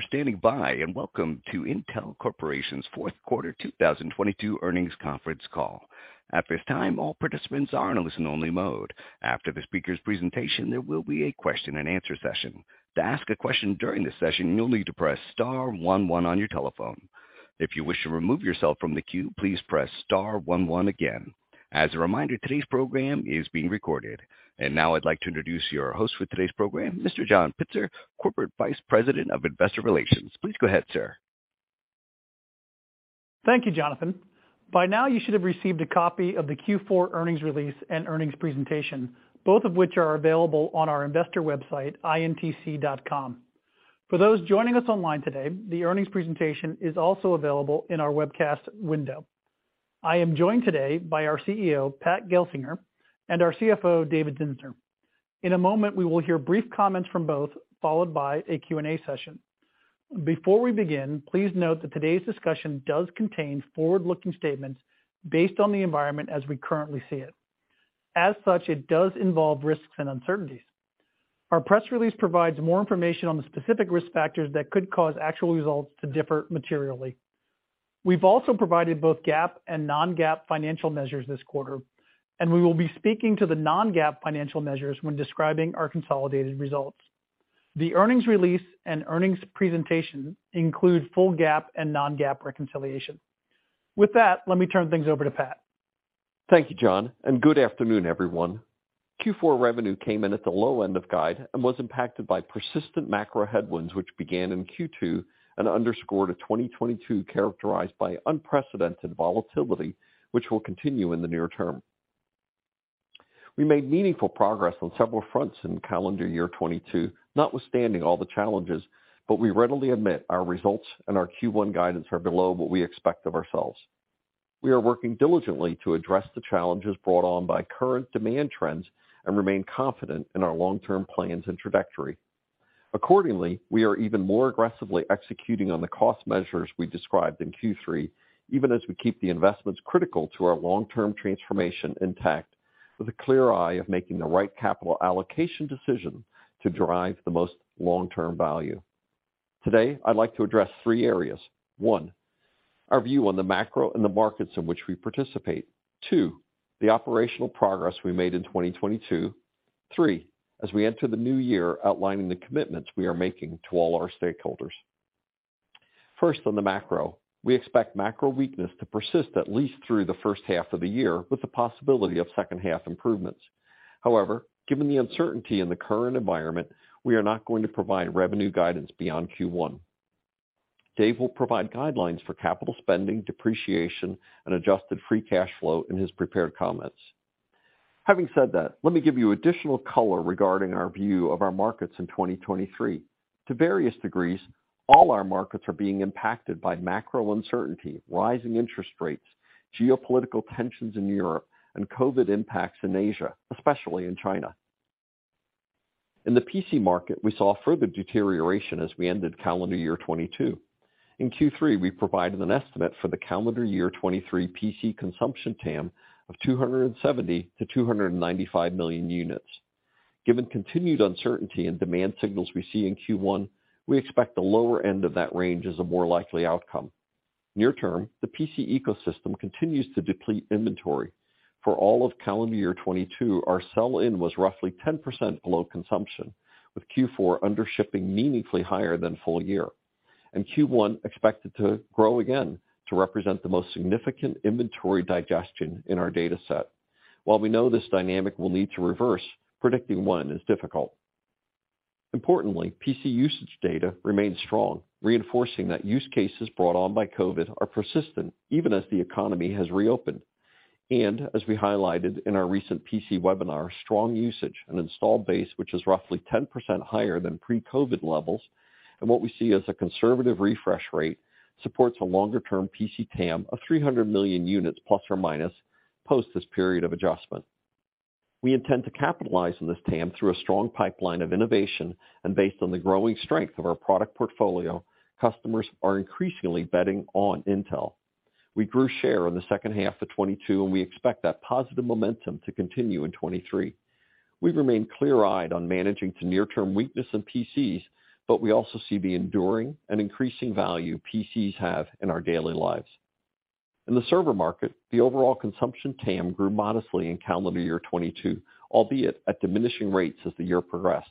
Thank you for standing by, and welcome to Intel Corporation's Q4 2022 Earnings Conference Call. Now I'd like to introduce your host for today's program, Mr. John Pitzer, Corporate Vice President of Investor Relations. Please go ahead, sir. Thank you, Jonathan. By now, you should have received a copy of the Q4 earnings release and earnings presentation, both of which are available on our investor website, intc.com. For those joining us online today, the earnings presentation is also available in our webcast window. I am joined today by our CEO, Pat Gelsinger, and our CFO, David Zinsner. In a moment, we will hear brief comments from both, followed by a Q&A session. Before we begin, please note that today's discussion does contain forward-looking statements based on the environment as we currently see it. As such, it does involve risks and uncertainties. Our press release provides more information on the specific risk factors that could cause actual results to differ materially. We've also provided both GAAP and non-GAAP financial measures this quarter. We will be speaking to the non-GAAP financial measures when describing our consolidated results. The earnings release and earnings presentation include full GAAP and non-GAAP reconciliation. With that, let me turn things over to Pat. Thank you, John, and good afternoon, everyone. Q4 revenue came in at the low end of guide and was impacted by persistent macro headwinds, which began in Q2 and underscored a 2022 characterized by unprecedented volatility, which will continue in the near term. We made meaningful progress on several fronts in calendar year 2022, notwithstanding all the challenges, but we readily admit our results and our Q1 guidance are below what we expect of ourselves. We are working diligently to address the challenges brought on by current demand trends and remain confident in our long-term plans and trajectory. Accordingly, we are even more aggressively executing on the cost measures we described in Q3, even as we keep the investments critical to our long-term transformation intact with a clear eye of making the right capital allocation decision to drive the most long-term value. Today, I'd like to address three areas. One, our view on the macro and the markets in which we participate. Two, the operational progress we made in 2022. Three, as we enter the new year outlining the commitments we are making to all our stakeholders. 1st, on the macro. We expect macro weakness to persist at least through the 1st half of the year with the possibility of 2nd half improvements. However, given the uncertainty in the current environment, we are not going to provide revenue guidance beyond Q1. Dave will provide guidelines for capital spending, depreciation, and adjusted free cash flow in his prepared comments. Having said that, let me give you additional color regarding our view of our markets in 2023. To various degrees, all our markets are being impacted by macro uncertainty, rising interest rates, geopolitical tensions in Europe, and COVID impacts in Asia, especially in China. In the PC market, we saw further deterioration as we ended calendar year 2022. In Q3, we provided an estimate for the calendar year 2023 PC consumption TAM of 270-295 million units. Given continued uncertainty and demand signals we see in Q1, we expect the lower end of that range as a more likely outcome. Near term, the PC ecosystem continues to deplete inventory. For all of calendar year 2022, our sell-in was roughly 10% below consumption, with Q4 undershipping meaningfully higher than full year, and Q1 expected to grow again to represent the most significant inventory digestion in our data set. While we know this dynamic will need to reverse, predicting when is difficult. Importantly, PC usage data remains strong, reinforcing that use cases brought on by COVID are persistent even as the economy has reopened. And as we highlighted in our recent PC webinar, strong usage and installed base, which is roughly 10% higher than pre-COVID levels, and what we see as a conservative refresh rate supports a longer-term PC TAM of 300 million units ± post this period of adjustment. We intend to capitalize on this TAM through a strong pipeline of innovation. Based on the growing strength of our product portfolio, customers are increasingly betting on Intel. We grew share in the second half of 2022, and we expect that positive momentum to continue in 2023. We remain clear-eyed on managing to near-term weakness in PCs. We also see the enduring and increasing value PCs have in our daily lives. In the server market, the overall consumption TAM grew modestly in calendar year 2022, albeit at diminishing rates as the year progressed.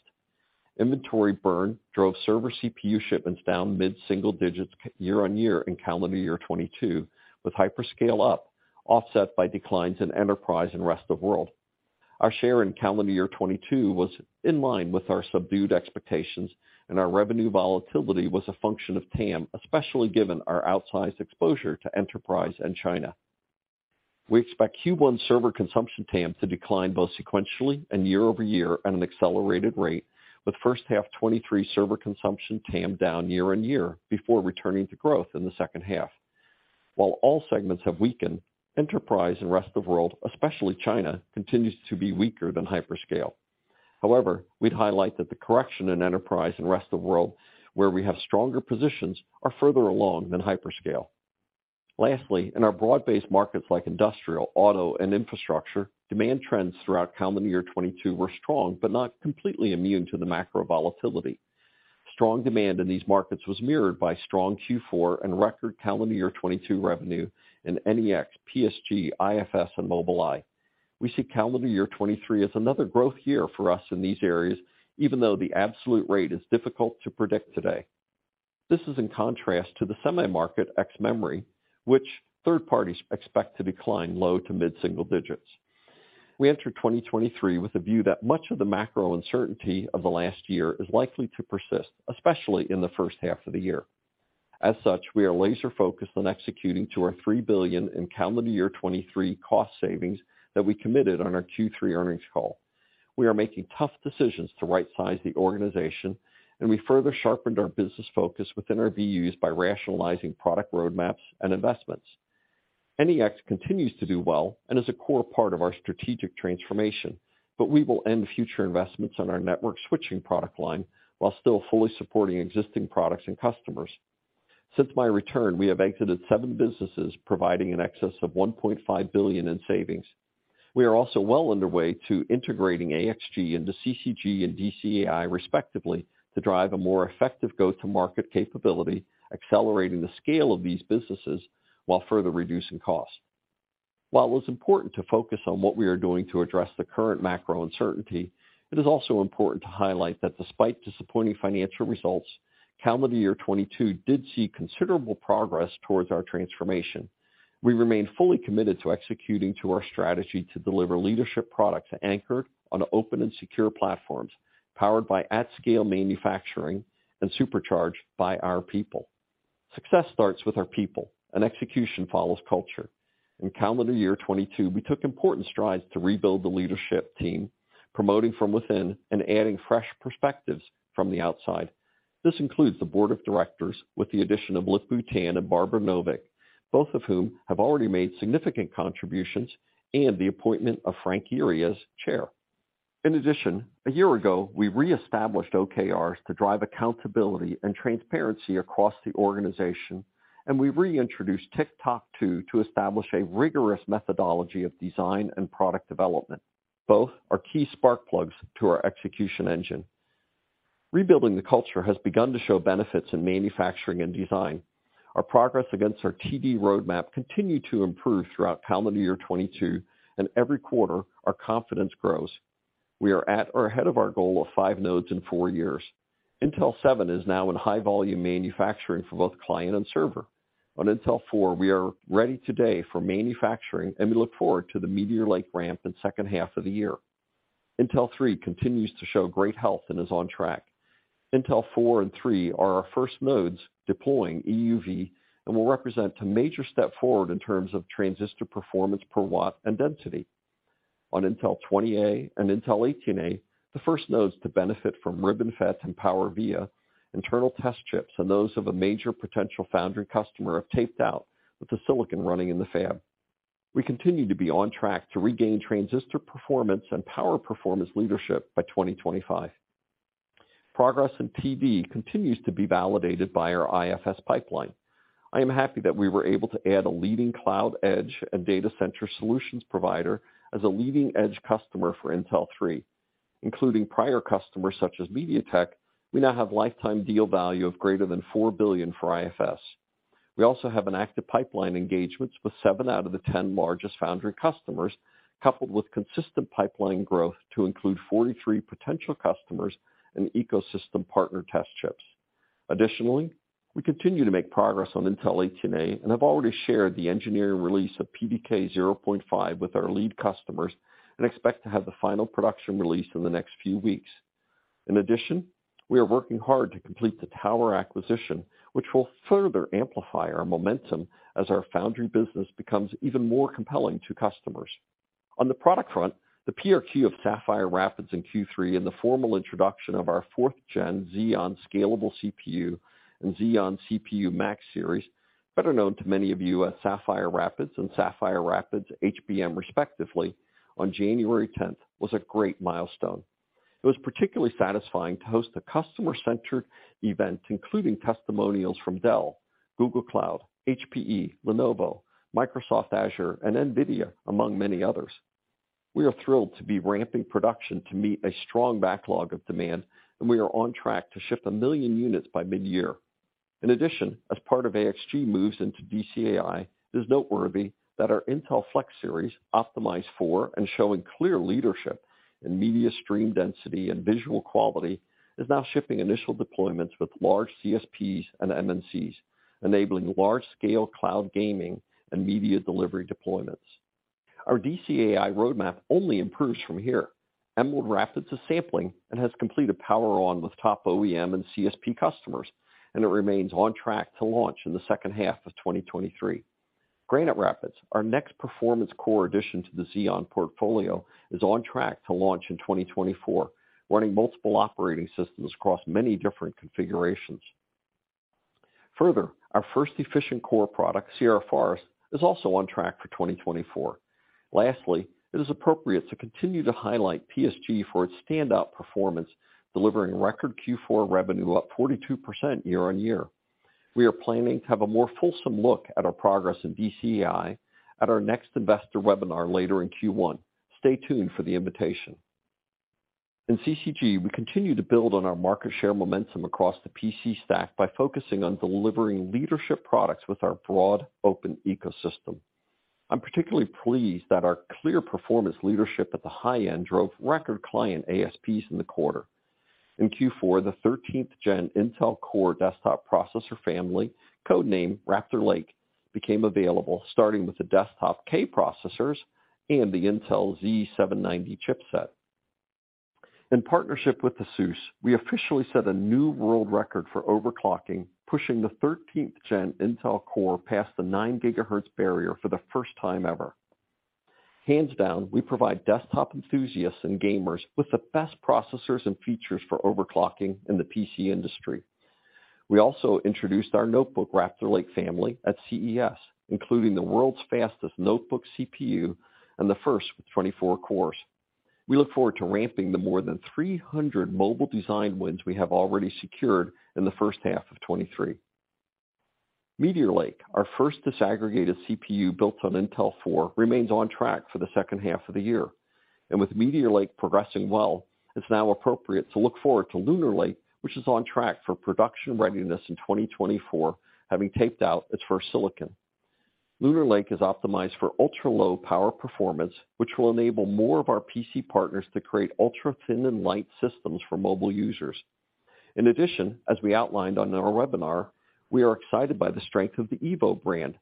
Inventory burn drove server CPU shipments down mid-single digits year-on-year in calendar year 2022, with hyperscale up offset by declines in enterprise and rest of world. Our share in calendar year 2022 was in line with our subdued expectations, and our revenue volatility was a function of TAM, especially given our outsized exposure to enterprise and China. We expect Q1 server consumption TAM to decline both sequentially and year-over-year at an accelerated rate, with 1st half 2023 server consumption TAM down year-on-year before returning to growth in the 2nd half. While all segments have weakened, enterprise and rest of world, especially China, continues to be weaker than hyperscale. We'd highlight that the correction in enterprise and rest of world, where we have stronger positions, are further along than hyperscale. In our broad-based markets like industrial, auto, and infrastructure, demand trends throughout calendar year 2022 were strong, but not completely immune to the macro volatility. Strong demand in these markets was mirrored by strong Q4 and record calendar year 2022 revenue in NEX, PSG, IFS, and Mobileye. We see calendar year 2023 as another growth year for us in these areas, even though the absolute rate is difficult to predict today. This is in contrast to the semi market X memory, which 3rd parties expect to decline low to mid-single digits. We enter 2023 with a view that much of the macro uncertainty of the last year is likely to persist, especially in the 1st half of the year. We are laser focused on executing to our $3 billion in calendar year 2023 cost savings that we committed on our Q3 earnings call. We are making tough decisions to right-size the organization, we further sharpened our business focus within our BUs by rationalizing product roadmaps and investments. NEX continues to do well and is a core part of our strategic transformation, we will end future investments on our network switching product line while still fully supporting existing products and customers. Since my return, we have exited seven businesses, providing an excess of $1.5 billion in savings. We are also well underway to integrating AXG into CCG and DCAI, respectively, to drive a more effective go-to-market capability, accelerating the scale of these businesses while further reducing costs. While it's important to focus on what we are doing to address the current macro uncertainty, it is also important to highlight that despite disappointing financial results, calendar year 2022 did see considerable progress towards our transformation. We remain fully committed to executing to our strategy to deliver leadership products anchored on open and secure platforms, powered by at-scale manufacturing and supercharged by our people. Success starts with our people and execution follows culture. In calendar year 2022, we took important strides to rebuild the leadership team, promoting from within and adding fresh perspectives from the outside. This includes the board of directors with the addition of Lip-Bu Tan and Barbara Novick, both of whom have already made significant contributions and the appointment of Frank Yuria as chair. In addition, a year ago, we reestablished OKRs to drive accountability and transparency across the organization, and we reintroduced Tick-Tock to establish a rigorous methodology of design and product development. Both are key spark plugs to our execution engine. Rebuilding the culture has begun to show benefits in manufacturing and design. Our progress against our TD roadmap continued to improve throughout calendar year 2022, and every quarter our confidence grows. We are at or ahead of our goal of five nodes in four years. Intel seven is now in high volume manufacturing for both client and server. On Intel four, we are ready today for manufacturing. We look forward to the Meteor Lake ramp in 2nd half of the year. Intel three continues to show great health and is on track. Intel four and three are our 1st nodes deploying EUV and will represent a major step forward in terms of transistor performance per watt and density. On Intel 20A and Intel 18A, the 1st nodes to benefit from RibbonFET and PowerVia internal test chips and those of a major potential foundry customer have taped out with the silicon running in the fab. We continue to be on track to regain transistor performance and power performance leadership by 2025. Progress in TD continues to be validated by our IFS pipeline. I am happy that we were able to add a leading cloud edge and data center solutions provider as a leading-edge customer for Intel three. Including prior customers such as MediaTek, we now have lifetime deal value of greater than $4 billion for IFS. We also have an active pipeline engagements with seven out of the 10 largest foundry customers, coupled with consistent pipeline growth to include 43 potential customers and ecosystem partner test chips. We continue to make progress on Intel 18A and have already shared the engineering release of PDK 0.5 with our lead customers and expect to have the final production release in the next few weeks. We are working hard to complete the Tower acquisition, which will further amplify our momentum as our foundry business becomes even more compelling to customers. On the product front, the PRQ of Sapphire Rapids in Q3 and the formal introduction of our 4th-gen Xeon scalable CPU and Xeon CPU Max Series, better known to many of you as Sapphire Rapids and Sapphire Rapids HBM, respectively, on January 10th, was a great milestone. It was particularly satisfying to host a customer-centered event, including testimonials from Dell, Google Cloud, HPE, Lenovo, Microsoft Azure, and NVIDIA, among many others. We are thrilled to be ramping production to meet a strong backlog of demand, and we are on track to ship one million units by mid-year. In addition, as part of AXG moves into DCAI, it is noteworthy that our Intel Flex Series optimized for and showing clear leadership in media stream density and visual quality, is now shipping initial deployments with large CSPs and MNCs, enabling large-scale cloud gaming and media delivery deployments. Our DCAI roadmap only improves from here. Emerald Rapids is sampling and has completed power on with top OEM and CSP customers. It remains on track to launch in the 2nd half of 2023. Granite Rapids, our next performance core addition to the Xeon portfolio, is on track to launch in 2024, running multiple operating systems across many different configurations. Further, our 1st efficient core product, Sierra Forest, is also on track for 2024. Lastly, it is appropriate to continue to highlight PSG for its standout performance, delivering record Q4 revenue up 42% year-over-year. We are planning to have a more fulsome look at our progress in DCAI at our next investor webinar later in Q1. Stay tuned for the invitation. In CCG, we continue to build on our market share momentum across the PC stack by focusing on delivering leadership products with our broad open ecosystem. I'm particularly pleased that our clear performance leadership at the high end drove record client ASPs in the quarter. In Q4, the 13th Gen Intel Core desktop processor family, code-named Raptor Lake, became available starting with the desktop K processors and the Intel Z790 chipset. In partnership with ASUS, we officially set a new world record for overclocking, pushing the 13th Gen Intel Core past the nine gigahertz barrier for the 1st time ever. Hands down, we provide desktop enthusiasts and gamers with the best processors and features for overclocking in the PC industry. We also introduced our notebook Raptor Lake family at CES, including the world's fastest notebook CPU and the 1st with 24 cores. We look forward to ramping the more than 300 mobile design wins we have already secured in the 1st half of 2023. Meteor Lake, our 1st disaggregated CPU built on Intel four remains on track for the 2nd half of the year. With Meteor Lake progressing well, it's now appropriate to look forward to Lunar Lake, which is on track for production readiness in 2024, having taped out its 1st silicon. Lunar Lake is optimized for ultra-low power performance, which will enable more of our PC partners to create ultra-thin and light systems for mobile users. In addition, as we outlined on our webinar, we are excited by the strength of the Evo brand,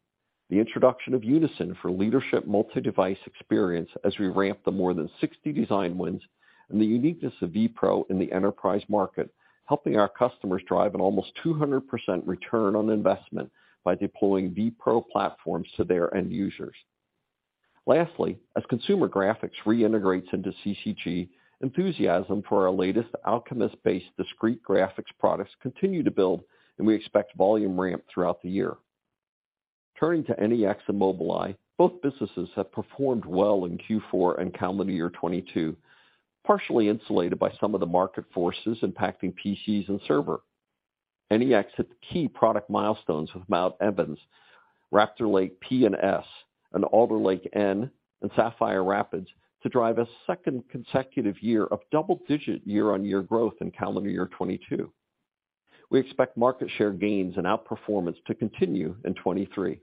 the introduction of Unison for leadership multi-device experience as we ramp the more than 60 design wins, and the uniqueness of vPro in the enterprise market, helping our customers drive an almost 200% return on investment by deploying vPro platforms to their end users. Lastly, as consumer graphics reintegrates into CCG, enthusiasm for our latest Alchemist-based discrete graphics products continue to build, and we expect volume ramp throughout the year. Turning to NEX and Mobileye, both businesses have performed well in Q4 and calendar year 2022, partially insulated by some of the market forces impacting PCs and server. NEX hit the key product milestones with Mount Evans, Raptor Lake P and S, and Alder Lake N, and Sapphire Rapids to drive a 2nd consecutive year of double-digit year-on-year growth in calendar year 2022. We expect market share gains and outperformance to continue in 2023.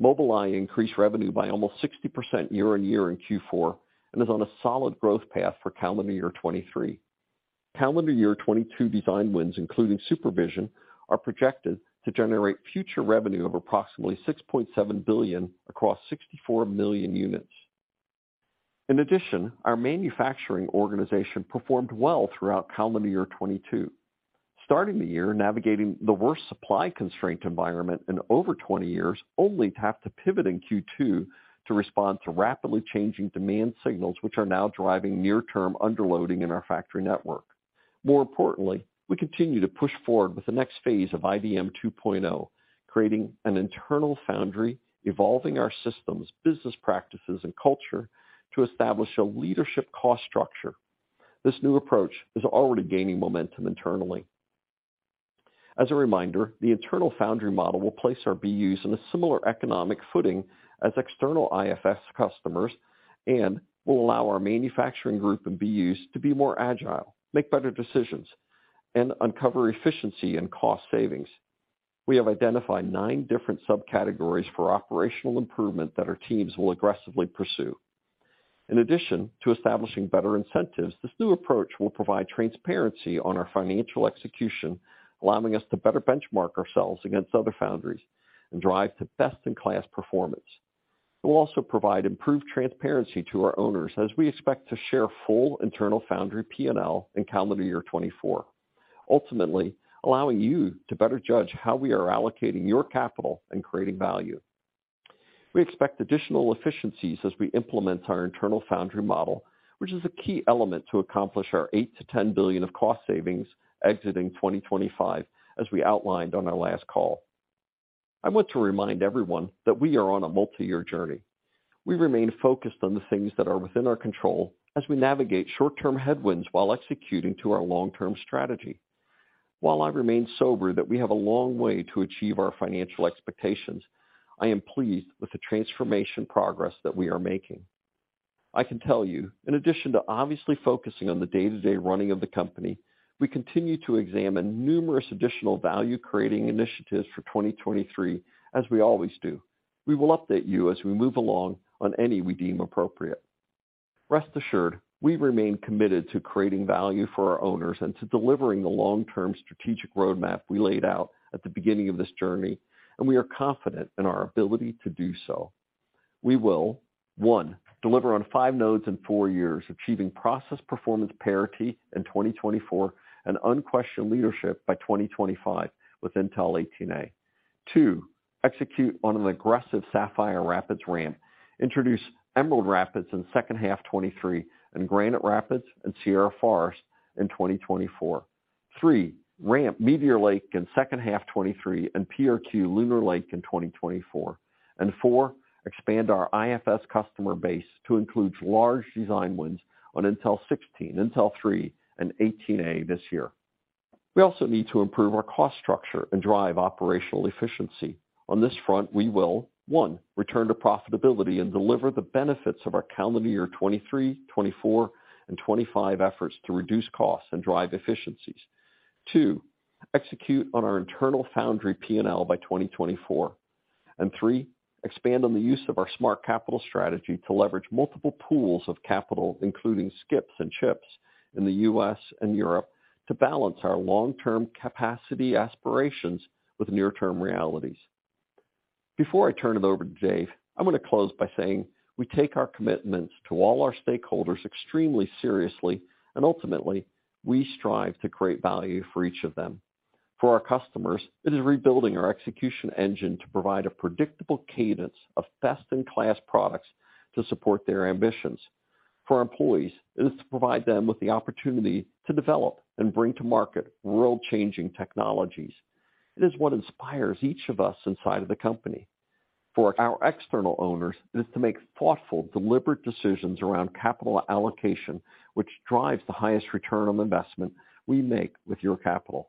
Mobileye increased revenue by almost 60% year-on-year in Q4 and is on a solid growth path for calendar year 2023. Calendar year 2022 design wins, including supervision, are projected to generate future revenue of approximately $6.7 billion across 64 million units. In addition, our manufacturing organization performed well throughout calendar year 2022. Starting the year navigating the worst supply constraint environment in over 20 years, only to have to pivot in Q2 to respond to rapidly changing demand signals, which are now driving near-term underloading in our factory network. More importantly, we continue to push forward with the next phase of IDM 2.0, creating an internal foundry, evolving our systems, business practices and culture to establish a leadership cost structure. This new approach is already gaining momentum internally. As a reminder, the internal foundry model will place our BUs in a similar economic footing as external IFS's customers and will allow our manufacturing group and BUs to be more agile, make better decisions, and uncover efficiency and cost savings. We have identified nine different subcategories for operational improvement that our teams will aggressively pursue. In addition to establishing better incentives, this new approach will provide transparency on our financial execution, allowing us to better benchmark ourselves against other foundries and drive to best-in-class performance. It will also provide improved transparency to our owners as we expect to share full internal foundry P&L in calendar year 2024, ultimately allowing you to better judge how we are allocating your capital and creating value. We expect additional efficiencies as we implement our internal foundry model, which is a key element to accomplish our $8-$10 billion of cost savings exiting 2025, as we outlined on our last call. I want to remind everyone that we are on a multi-year journey. We remain focused on the things that are within our control as we navigate short-term headwinds while executing to our long-term strategy. While I remain sober that we have a long way to achieve our financial expectations, I am pleased with the transformation progress that we are making. I can tell you, in addition to obviously focusing on the day-to-day running of the company, we continue to examine numerous additional value-creating initiatives for 2023, as we always do. We will update you as we move along on any we deem appropriate. Rest assured, we remain committed to creating value for our owners and to delivering the long-term strategic roadmap we laid out at the beginning of this journey, and we are confident in our ability to do so. We will, one, deliver on five nodes in four years, achieving process performance parity in 2024 and unquestioned leadership by 2025 with Intel 18A. Two, execute on an aggressive Sapphire Rapids ramp. Introduce Emerald Rapids in 2nd half 2023 and Granite Rapids and Sierra Forest in 2024. Three, ramp Meteor Lake in 2nd half 2023 and PRQ Lunar Lake in 2024. Four, expand our IFS customer base to include large design wins on Intel 16, Intel three, and Intel 18A this year. We also need to improve our cost structure and drive operational efficiency. On this front, we will, one, return to profitability and deliver the benefits of our calendar year 2023, 2024, and 2025 efforts to reduce costs and drive efficiencies. Two, execute on our internal foundry P&L by 2024. Three, expand on the use of our Smart Capital strategy to leverage multiple pools of capital, including SCIPs and CHIPS in the US and Europe, to balance our long-term capacity aspirations with near-term realities. Before I turn it over to Dave, I'm going to close by saying we take our commitments to all our stakeholders extremely seriously, and ultimately, we strive to create value for each of them. For our customers, it is rebuilding our execution engine to provide a predictable cadence of best-in-class products to support their ambitions. For our employees, it is to provide them with the opportunity to develop and bring to market world-changing technologies. It is what inspires each of us inside of the company. For our external owners, it is to make thoughtful, deliberate decisions around capital allocation, which drives the highest return on investment we make with your capital.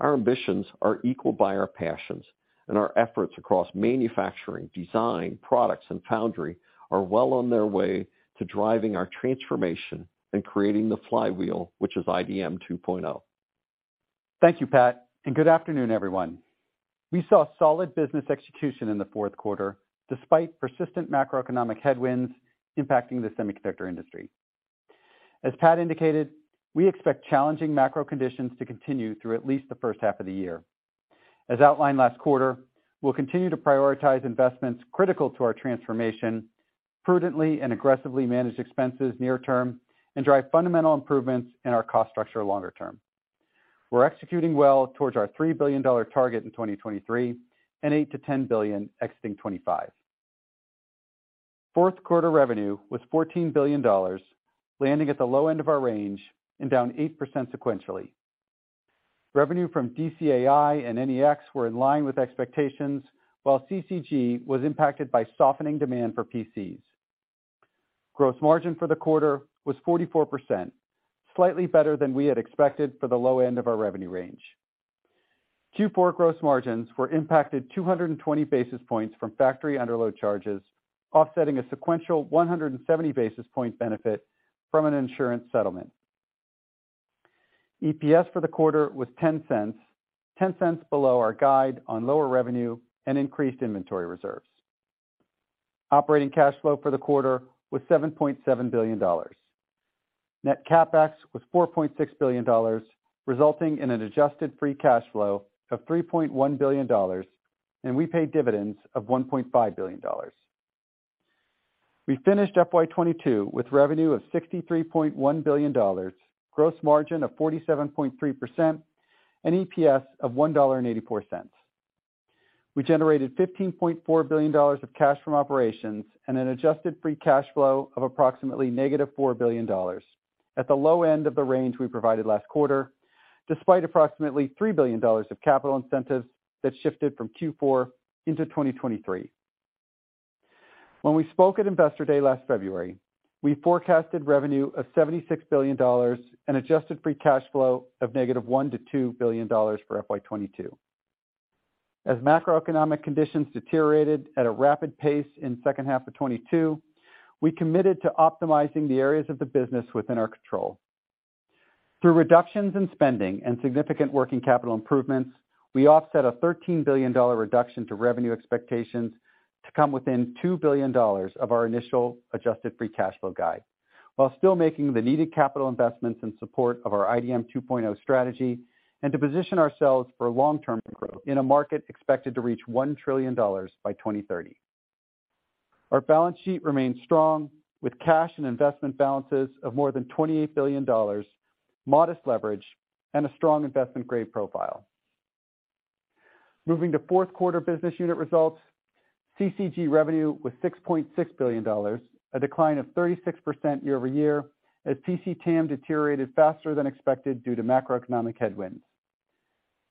Our ambitions are equaled by our passions, and our efforts across manufacturing, design, products, and foundry are well on their way to driving our transformation and creating the flywheel, which is IDM 2.0. Thank you, Pat. Good afternoon, everyone. We saw solid business execution in the Q4, despite persistent macroeconomic headwinds impacting the semiconductor industry. As Pat indicated, we expect challenging macro conditions to continue through at least the 1st half of the year. As outlined last quarter, we'll continue to prioritize investments critical to our transformation prudently and aggressively manage expenses near term and drive fundamental improvements in our cost structure longer term. We're executing well towards our $3 billion target in 2023 and $8-$10 billion exiting 2025. Q4 revenue was $14 billion, landing at the low end of our range and down 8% sequentially. Revenue from DCAI and NEX were in line with expectations, while CCG was impacted by softening demand for PCs. Gross margin for the quarter was 44%, slightly better than we had expected for the low end of our revenue range. Q4 gross margins were impacted 220 basis points from factory underload charges, offsetting a sequential 170 basis point benefit from an insurance settlement. EPS for the quarter was $0.10, $0.10 below our guide on lower revenue and increased inventory reserves. Operating cash flow for the quarter was $7.7 billion. Net CapEx was $4.6 billion, resulting in an adjusted free cash flow of $3.1 billion, and we paid dividends of $1.5 billion. We finished FY22 with revenue of $63.1 billion, gross margin of 47.3% and EPS of $1.84. We generated $15.4 billion of cash from operations and an adjusted free cash flow of approximately negative $4 billion at the low end of the range we provided last quarter, despite approximately $3 billion of capital incentives that shifted from Q4 into 2023. We spoke at Investor Day last February, we forecasted revenue of $76 billion and adjusted free cash flow of -$1-$2 billion for FY22. Macroeconomic conditions deteriorated at a rapid pace in 2nd half of 2022, we committed to optimizing the areas of the business within our control. Through reductions in spending and significant working capital improvements, we offset a $13 billion reduction to revenue expectations to come within $2 billion of our initial adjusted free cash flow guide, while still making the needed capital investments in support of our IDM 2.0 strategy and to position ourselves for long-term growth in a market expected to reach $1 trillion by 2030. Our balance sheet remains strong with cash and investment balances of more than $28 billion, modest leverage, and a strong investment grade profile. Moving to the Q4 business unit results, CCG revenue was $6.6 billion, a decline of 36% year-over-year as PC TAM deteriorated faster than expected due to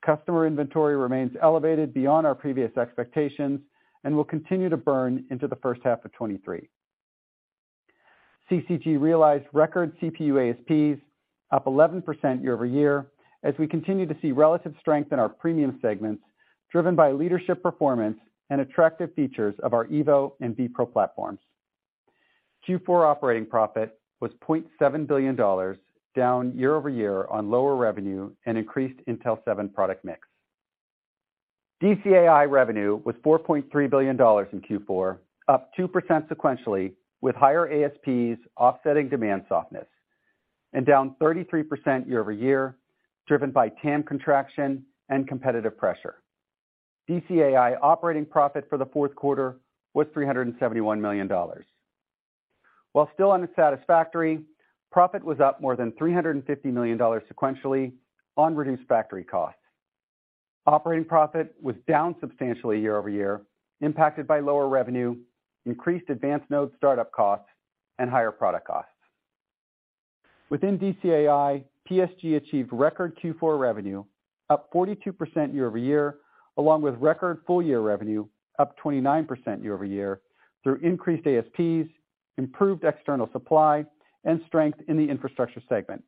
macroeconomic headwinds. Customer inventory remains elevated beyond our previous expectations and will continue to burn into the 1st half of 2023. CCG realized record CPU ASPs up 11% year-over-year as we continue to see relative strength in our premium segments, driven by leadership performance and attractive features of our Evo and vPro platforms. Q4 operating profit was $0.7 billion, down year-over-year on lower revenue and increased Intel seven product mix. DCAI revenue was $4.3 billion in Q4, up 2% sequentially with higher ASPs offsetting demand softness and down 33% year-over-year, driven by TAM contraction and competitive pressure. DCAI operating profit for the Q4 was $371 million. While still unsatisfactory, profit was up more than $350 million sequentially on reduced factory costs. Operating profit was down substantially year-over-year, impacted by lower revenue, increased advanced node startup costs, and higher product costs. Within DCAI, PSG achieved record Q4 revenue, up 42% year-over-year, along with record full-year revenue, up 29% year-over-year through increased ASPs, improved external supply, and strength in the infrastructure segment.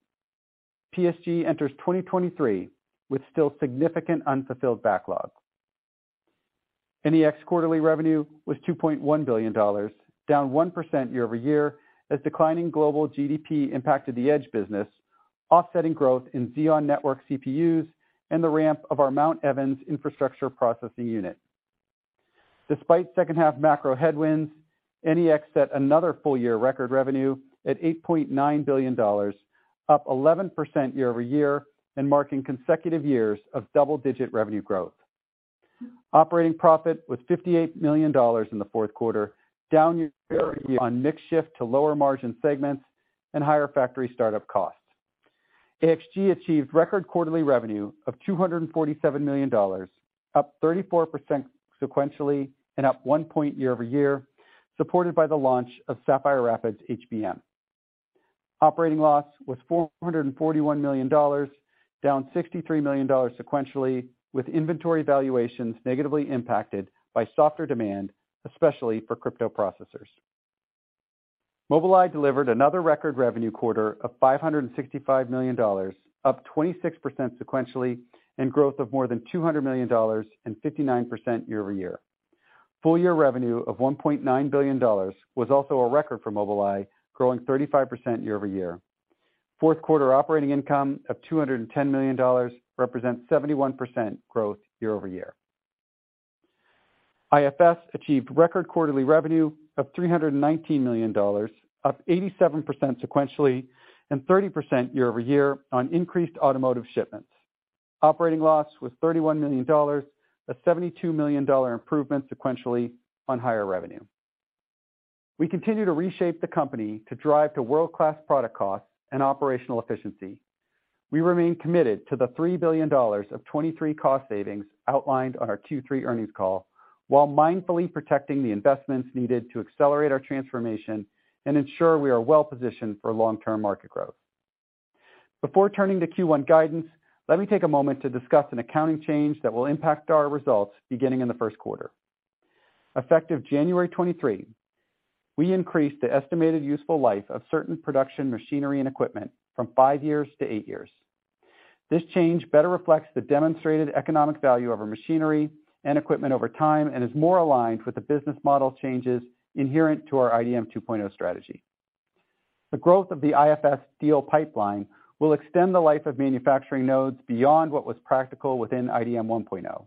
NEX quarterly revenue was $2.1 billion, down 1% year-over-year as declining global GDP impacted the edge business, offsetting growth in Xeon network CPUs and the ramp of our Mount Evans infrastructure processing unit. Despite 2nd half macro headwinds, NEX set another full-year record revenue at $8.9 billion, up 11% year-over-year and marking consecutive years of double-digit revenue growth. Operating profit was $58 million in the Q4, down year on mix shift to lower margin segments and higher factory startup costs. AXG achieved record quarterly revenue of $247 million, up 34% sequentially and up one point year-over-year, supported by the launch of Sapphire Rapids HBM. Operating loss was $441 million, down $63 million sequentially, with inventory valuations negatively impacted by softer demand, especially for crypto processors. Mobileye delivered another record revenue quarter of $565 million, up 26% sequentially and growth of more than $200 million and 59% year-over-year. Full year revenue of $1.9 billion was also a record for Mobileye, growing 35% year-over-year. Q4 operating income of $210 million represents 71% growth year-over-year. IFS achieved record quarterly revenue of $319 million, up 87% sequentially and 30% year-over-year on increased automotive shipments. Operating loss was $31 million, a $72 million improvement sequentially on higher revenue. We continue to reshape the company to drive to world-class product costs and operational efficiency. We remain committed to the $3 billion of 2023 cost savings outlined on our Q3 earnings call, while mindfully protecting the investments needed to accelerate our transformation and ensure we are well positioned for long-term market growth. Before turning to Q1 guidance, let me take a moment to discuss an accounting change that will impact our results beginning in the Q1. Effective January 2023, we increased the estimated useful life of certain production machinery and equipment from five years to eight years. This change better reflects the demonstrated economic value of our machinery and equipment over time and is more aligned with the business model changes inherent to our IDM 2.0 strategy. The growth of the IFS deal pipeline will extend the life of manufacturing nodes beyond what was practical within IDM 1.0.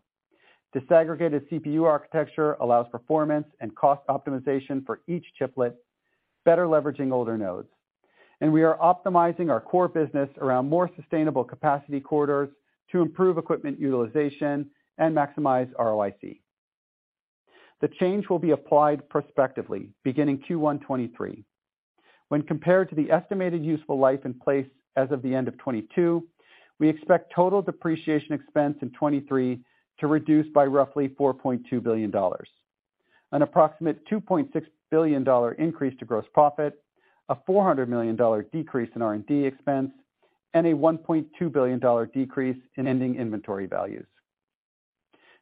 Disaggregated CPU architecture allows performance and cost optimization for each chiplet, better leveraging older nodes, and we are optimizing our core business around more sustainable capacity corridors to improve equipment utilization and maximize ROIC. The change will be applied prospectively beginning Q1 2023. When compared to the estimated useful life in place as of the end of 2022, we expect total depreciation expense in 2023 to reduce by roughly $4.2 billion. An approximate $2.6 billion increase to gross profit, a $400 million decrease in R&D expense, and a $1.2 billion decrease in ending inventory values.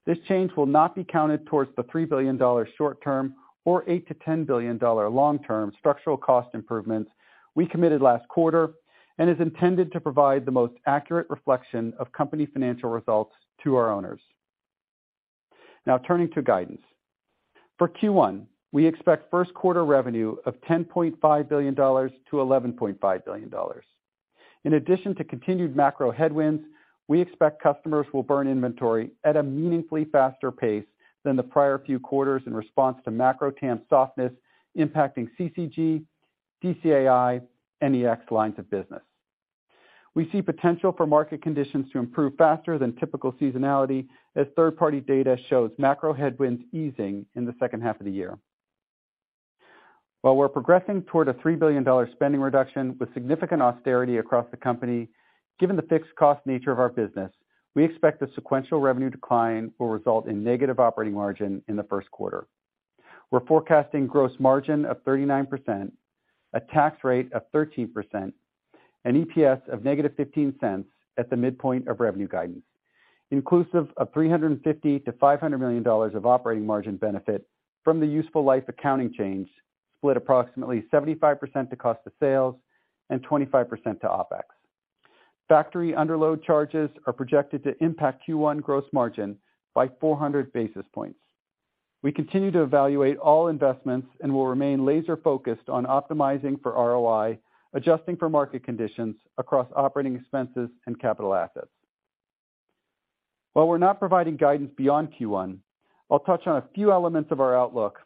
This change will not be counted towards the $3 billion short term or $8-$10 billion long term structural cost improvements we committed last quarter and is intended to provide the most accurate reflection of company financial results to our owners. Now turning to guidance. For Q1, we expect Q1 revenue of $10.5-$11.5 billion. In addition to continued macro headwinds, we expect customers will burn inventory at a meaningfully faster pace than the prior few quarters in response to macro TAM softness impacting CCG, DCAI, NEX lines of business. We see potential for market conditions to improve faster than typical seasonality as 3rd-party data shows macro headwinds easing in the 2nd half of the year. While we're progressing toward a $3 billion spending reduction with significant austerity across the company, given the fixed cost nature of our business, we expect the sequential revenue decline will result in negative operating margin in the Q1. We're forecasting gross margin of 39%, a tax rate of 13%, and EPS of -$0.15 at the midpoint of revenue guidance, inclusive of $350-$500 million of operating margin benefit from the useful life accounting change, split approximately 75% to cost of sales and 25% to OpEx. Factory underload charges are projected to impact Q1 gross margin by 400 basis points. We continue to evaluate all investments and will remain laser focused on optimizing for ROI, adjusting for market conditions across operating expenses and capital assets. While we're not providing guidance beyond Q1, I'll touch on a few elements of our outlook.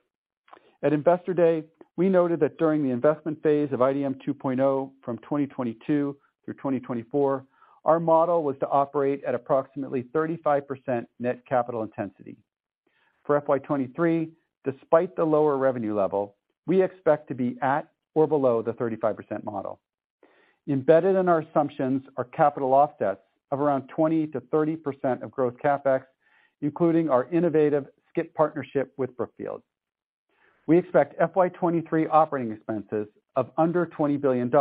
At Investor Day, we noted that during the investment phase of IDM 2.0 from 2022 through 2024, our model was to operate at approximately 35% net capital intensity. For 2023, despite the lower revenue level, we expect to be at or below the 35% model. Embedded in our assumptions are capital offsets of around 20%-30% of growth CapEx, including our innovative SCIP partnership with Brookfield. We expect FY23 operating expenses of under $20 billion,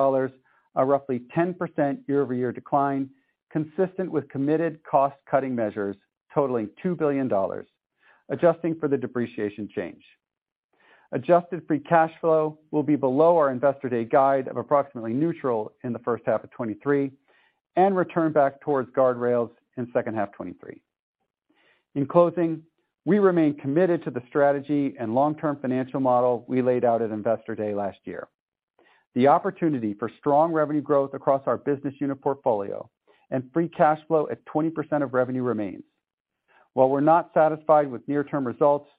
a roughly 10% year-over-year decline, consistent with committed cost-cutting measures totaling $2 billion, adjusting for the depreciation change. Adjusted free cash flow will be below our Investor Day guide of approximately neutral in the 1st half of 2023, and return back towards guardrails in 2nd half 2023. In closing, we remain committed to the strategy and long-term financial model we laid out at Investor Day last year. The opportunity for strong revenue growth across our business unit portfolio and free cash flow at 20% of revenue remains. While we're not satisfied with near-term results,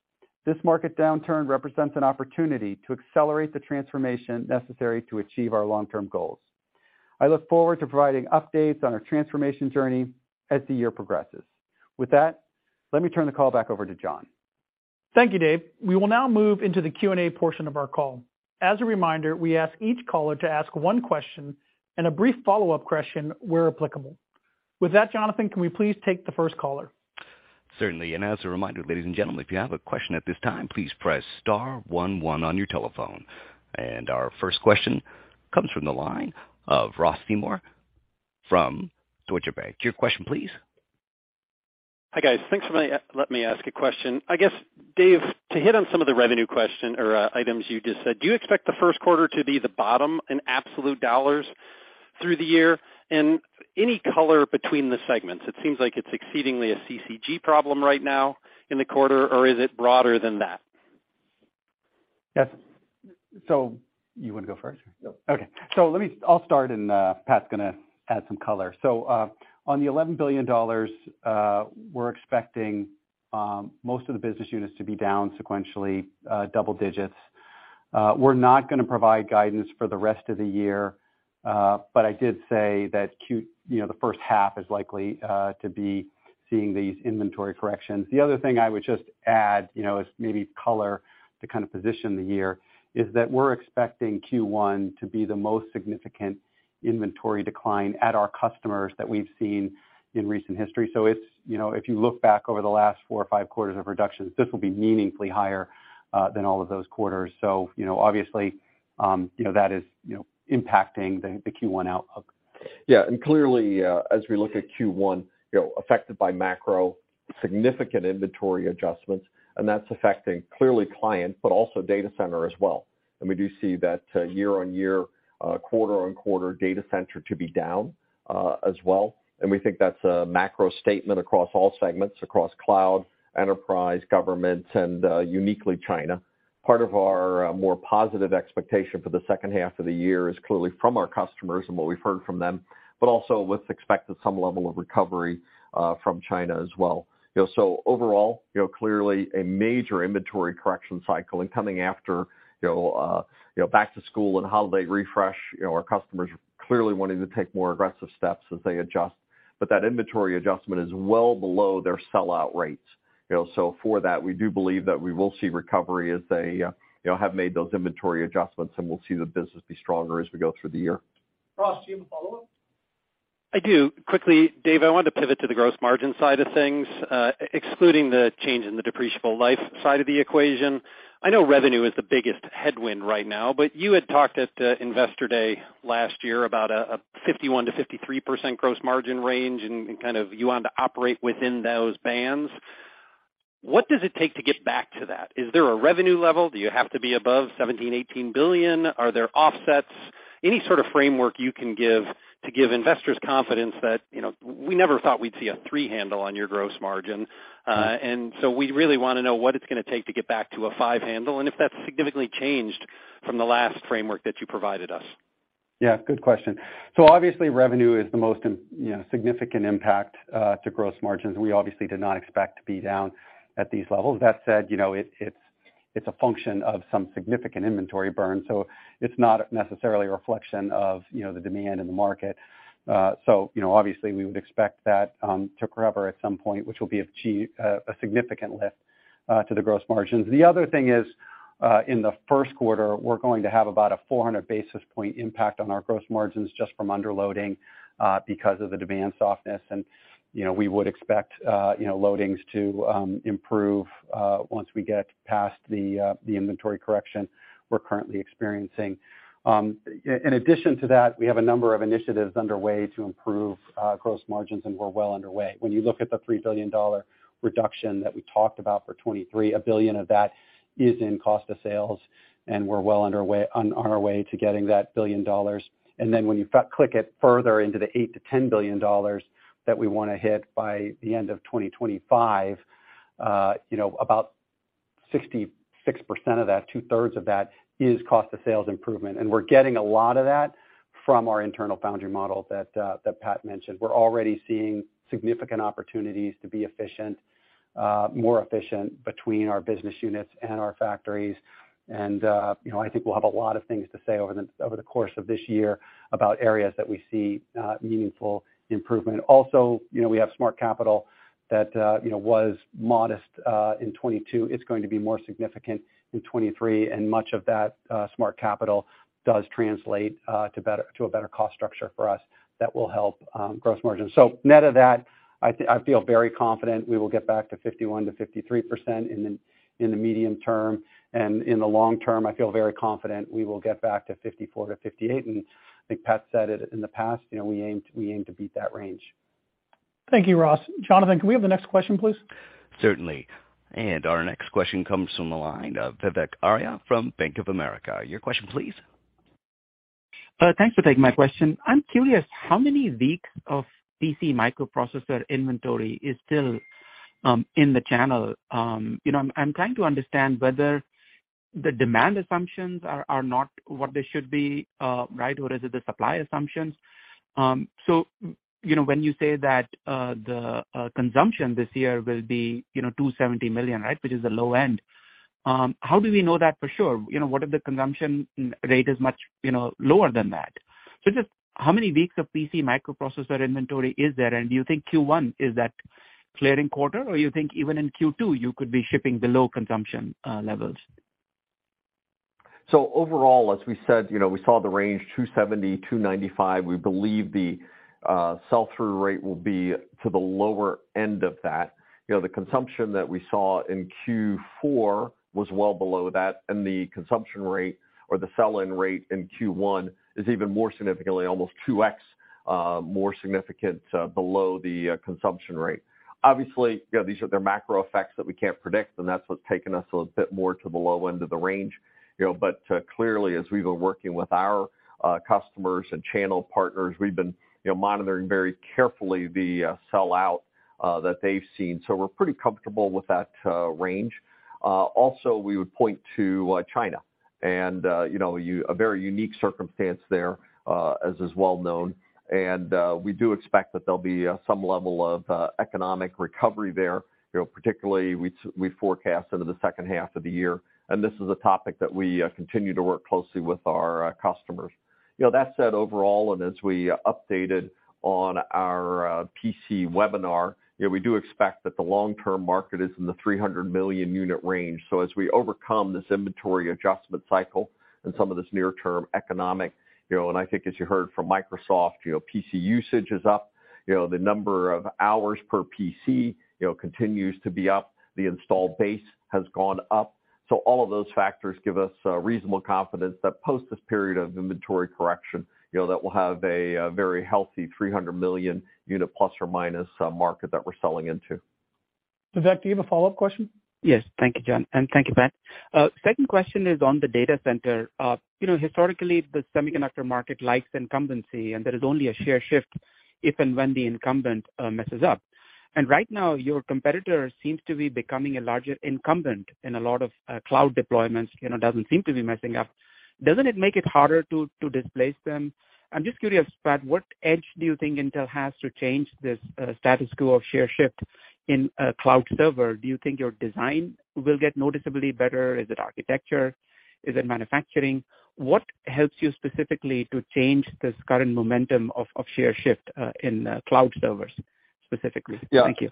this market downturn represents an opportunity to accelerate the transformation necessary to achieve our long-term goals. I look forward to providing updates on our transformation journey as the year progresses. With that, let me turn the call back over to John. Thank you, Dave. We will now move into the Q&A portion of our call. As a reminder, we ask each caller to ask one question and a brief follow-up question where applicable. With that, Jonathan, can we please take the 1st caller? Certainly. As a reminder, ladies and gentlemen, if you have a question at this time, please press star one one on your telephone. Our 1st question comes from the line of Ross Seymore from Deutsche Bank. To your question, please. Hi, guys. Thanks for letting me ask a question. I guess, David, to hit on some of the revenue question or items you just said, do you expect the Q1 to be the bottom in absolute dollars through the year? Any color between the segments? It seems like it's exceedingly a CCG problem right now in the quarter, or is it broader than that? Yes. You want to go 1st? No. Okay. Let me I'll start, and Pat's gonna add some color. On the $11 billion, we're expecting most of the business units to be down sequentially, double digits. We're not gonna provide guidance for the rest of the year, but I did say that you know, the 1st half is likely to be seeing these inventory corrections. The other thing I would just add, you know, as maybe color to kind of position the year, is that we're expecting Q1 to be the most significant inventory decline at our customers that we've seen in recent history. It's, you know, if you look back over the last four or five quarters of reductions, this will be meaningfully higher than all of those quarters, you know, obviously, you know, that is, you know, impacting the Q1 outlook. Yeah. Clearly, as we look at Q1, you know, affected by macro, significant inventory adjustments, and that's affecting clearly client, but also data center as well. We do see that, year-on-year, quarter-on-quarter data center to be down as well. We think that's a macro statement across all segments, across cloud, enterprise, government, and uniquely China. Part of our more positive expectation for the 2nd half of the year is clearly from our customers and what we've heard from them, but also with expected some level of recovery from China as well. You know, overall, you know, clearly a major inventory correction cycle and coming after, you know, back to school and holiday refresh, you know, our customers clearly wanting to take more aggressive steps as they adjust. That inventory adjustment is well below their sellout rates. You know, for that, we do believe that we will see recovery as they, you know, have made those inventory adjustments, and we'll see the business be stronger as we go through the year. Ross, do you have a follow-up? I do. Quickly, Dave, I wanted to pivot to the gross margin side of things, excluding the change in the depreciable life side of the equation. I know revenue is the biggest headwind right now, but you had talked at the Investor Day last year about a 51%-53% gross margin range and kind of you want to operate within those bands. What does it take to get back to that? Is there a revenue level? Do you have to be above $17-$18 billion? Are there offsets? Any sort of framework you can give to give investors confidence that, you know, we never thought we'd see a three handle on your gross margin. We really wanna know what it's gonna take to get back to a five handle, and if that's significantly changed from the last framework that you provided us. Yeah, good question. obviously, revenue is the most, you know, significant impact to gross margins. We obviously did not expect to be down at these levels. That said, you know, it's, it's a function of some significant inventory burn, so it's not necessarily a reflection of, you know, the demand in the market. you know, obviously, we would expect that to recover at some point, which will be achieve a significant lift to the gross margins. The other thing is, in the Q1, we're going to have about a 400 basis point impact on our gross margins just from underloading because of the demand softness. you know, we would expect, you know, loadings to improve once we get past the inventory correction we're currently experiencing. In addition to that, we have a number of initiatives underway to improve gross margins, and we're well underway. When you look at the $3 billion reduction that we talked about for 23, $1 billion of that is in cost of sales, and we're well underway on our way to getting that $1 billion. Then when you click it further into the $8 billion-$10 billion that we wanna hit by the end of 2025, you know, about 66% of that, two-3rds of that is cost of sales improvement. We're getting a lot of that from our internal foundry model that Pat mentioned. We're already seeing significant opportunities to be efficient More efficient between our Business Units and our factories. You know, I think we'll have a lot of things to say over the course of this year about areas that we see meaningful improvement. Also, you know, we have Smart Capital that, you know, was modest in 2022. It's going to be more significant in 2023, and much of that Smart Capital does translate to a better cost structure for us that will help gross margins. Net of that, I feel very confident we will get back to 51%-53% in the medium term. In the long term, I feel very confident we will get back to 54%-58%. I think Pat said it in the past, you know, we aim to beat that range. Thank you, Ross. Jonathan, can we have the next question, please? Certainly. Our next question comes from the line of Vivek Arya from Bank of America. Your question please. Thanks for taking my question. I'm curious how many weeks of PC microprocessor inventory is still in the channel? You know, I'm trying to understand whether the demand assumptions are not what they should be, right, or is it the supply assumptions. You know, when you say that the consumption this year will be, you know, $270 million, right, which is the low end, how do we know that for sure? You know, what if the consumption rate is much, you know, lower than that? Just how many weeks of PC microprocessor inventory is there, and do you think Q1 is that clearing quarter, or you think even in Q2, you could be shipping below consumption levels? Overall, as we said, you know, we saw the range 270-295. We believe the sell-through rate will be to the lower end of that. You know, the consumption that we saw in Q4 was well below that, and the consumption rate or the sell-in rate in Q1 is even more significantly, almost 2x more significant below the consumption rate. Obviously, you know, these are the macro effects that we can't predict, and that's what's taken us a bit more to the low end of the range, you know. Clearly, as we've been working with our customers and channel partners, we've been, you know, monitoring very carefully the sell out that they've seen. We're pretty comfortable with that range. Also we would point to China and, you know, a very unique circumstance there, as is well known. We do expect that there'll be some level of economic recovery there, you know, particularly we forecast into the 2nd half of the year. This is a topic that we continue to work closely with our customers. You know, that said, overall, and as we updated on our PC webinar, you know, we do expect that the long-term market is in the 300 million unit range. As we overcome this inventory adjustment cycle and some of this near term economic, you know. I think as you heard from Microsoft, you know, PC usage is up. You know, the number of hours per PC, you know, continues to be up. The install base has gone up. All of those factors give us reasonable confidence that post this period of inventory correction, you know, that we'll have a very healthy 300 million unit ± market that we're selling into. Vivek, do you have a follow-up question? Yes. Thank you, John, thank you, Pat. 2nd question is on the data center. You know, historically the semiconductor market likes incumbency, there is only a share shift if and when the incumbent messes up. Right now, your competitor seems to be becoming a larger incumbent in a lot of cloud deployments, you know, doesn't seem to be messing up. Doesn't it make it harder to displace them? I'm just curious, Pat, what edge do you think Intel has to change this status quo of share shift in a cloud server? Do you think your design will get noticeably better? Is it architecture? Is it manufacturing? What helps you specifically to change this current momentum of share shift in cloud servers specifically? Yeah. Thank you.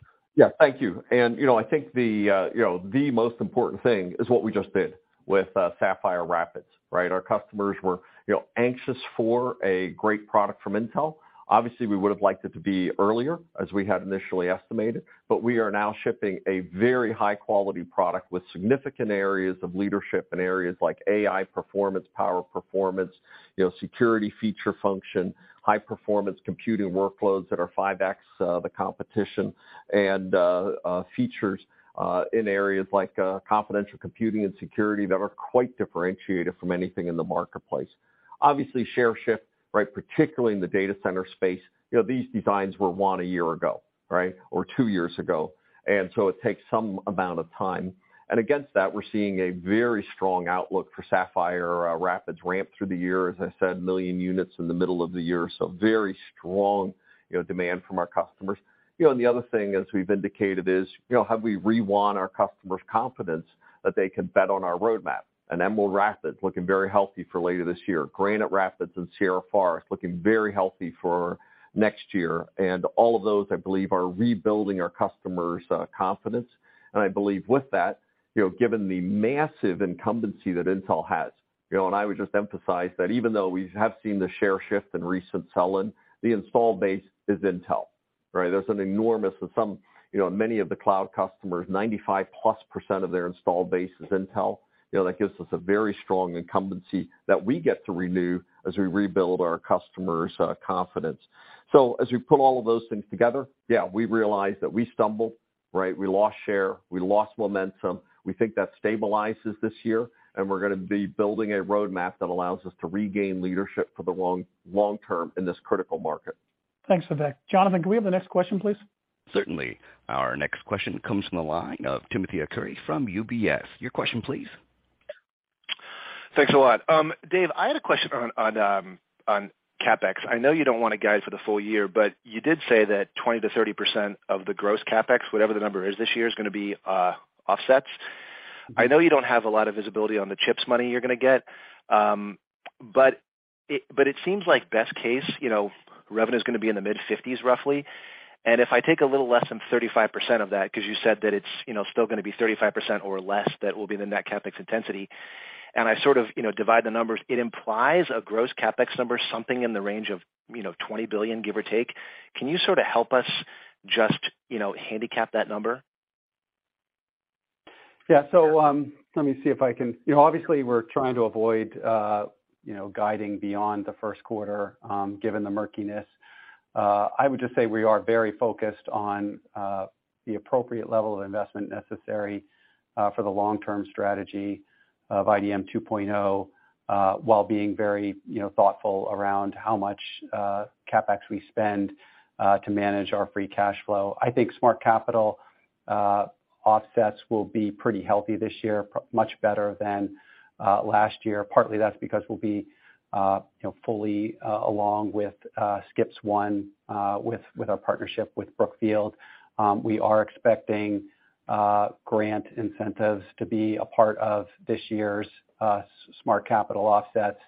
Thank you. You know, I think the, you know, the most important thing is what we just did with Sapphire Rapids, right? Our customers were, you know, anxious for a great product from Intel. Obviously, we would've liked it to be earlier, as we had initially estimated, but we are now shipping a very high-quality product with significant areas of leadership in areas like AI performance, power performance, you know, security feature function, high performance computing workloads that are 5x the competition and features in areas like confidential computing and security that are quite differentiated from anything in the marketplace. Obviously, share shift, right? Particularly in the data center space. You know, these designs were won a year ago, right? Or two years ago. It takes some amount of time. Against that, we're seeing a very strong outlook for Sapphire Rapids ramp through the year. As I said, million units in the middle of the year. Very strong, you know, demand from our customers. You know, the other thing, as we've indicated, is, you know, have we re-won our customers' confidence that they can bet on our roadmap? Emerald Rapids looking very healthy for later this year. Granite Rapids and Sierra Forest looking very healthy for next year. All of those, I believe, are rebuilding our customers' confidence. I believe with that, you know, given the massive incumbency that Intel has, you know, I would just emphasize that even though we have seen the share shift in recent sell-in, the install base is Intel, right? You know, many of the cloud customers, 95%+ of their installed base is Intel. You know, that gives us a very strong incumbency that we get to renew as we rebuild our customers' confidence. As we put all of those things together, yeah, we realize that we stumbled, right? We lost share, we lost momentum. We think that stabilizes this year, and we're gonna be building a roadmap that allows us to regain leadership for the long, long term in this critical market. Thanks, Vivek. Jonathan, can we have the next question, please? Certainly. Our next question comes from the line of Timothy Arcuri from UBS. Your question please. Thanks a lot. Dave, I had a question on CapEx. I know you don't want to guide for the full year, but you did say that 20%-30% of the gross CapEx, whatever the number is this year, is gonna be offsets. I know you don't have a lot of visibility on the CHIPS money you're gonna get, but it seems like best case, you know, revenue is gonna be in the mid fifties roughly. If I take a little less than 35% of that, because you said that it's, you know, still gonna be 35% or less, that will be the net CapEx intensity. I sort of, you know, divide the numbers, it implies a gross CapEx number, something in the range of, you know, $20 billion, give or take. Can you sort of help us just, you know, handicap that number? You know, obviously we're trying to avoid, you know, guiding beyond the Q1, given the murkiness. I would just say we are very focused on the appropriate level of investment necessary for the long-term strategy of IDM 2.0, while being very, you know, thoughtful around how much CapEx we spend to manage our free cash flow. I think Smart Capital offsets will be pretty healthy this year, much better than last year. Partly that's because we'll be, you know, fully along with SCIP one, with our partnership with Brookfield. We are expecting grant incentives to be a part of this year's Smart Capital offsets.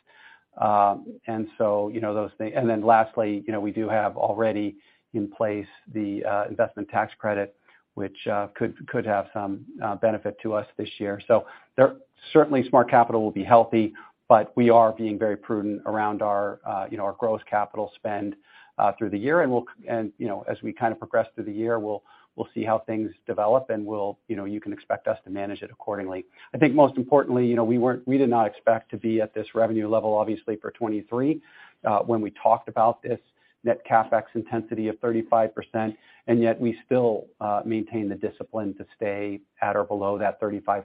You know, those things. Lastly, you know, we do have already in place the investment tax credit, which could have some benefit to us this year. There certainly Smart Capital will be healthy, but we are being very prudent around our, you know, our gross capital spend through the year. We'll, you know, as we kind of progress through the year, we'll see how things develop, and we'll, you know, you can expect us to manage it accordingly. I think most importantly, you know, we did not expect to be at this revenue level, obviously for 23, when we talked about this net CapEx intensity of 35%, and yet we still maintain the discipline to stay at or below that 35%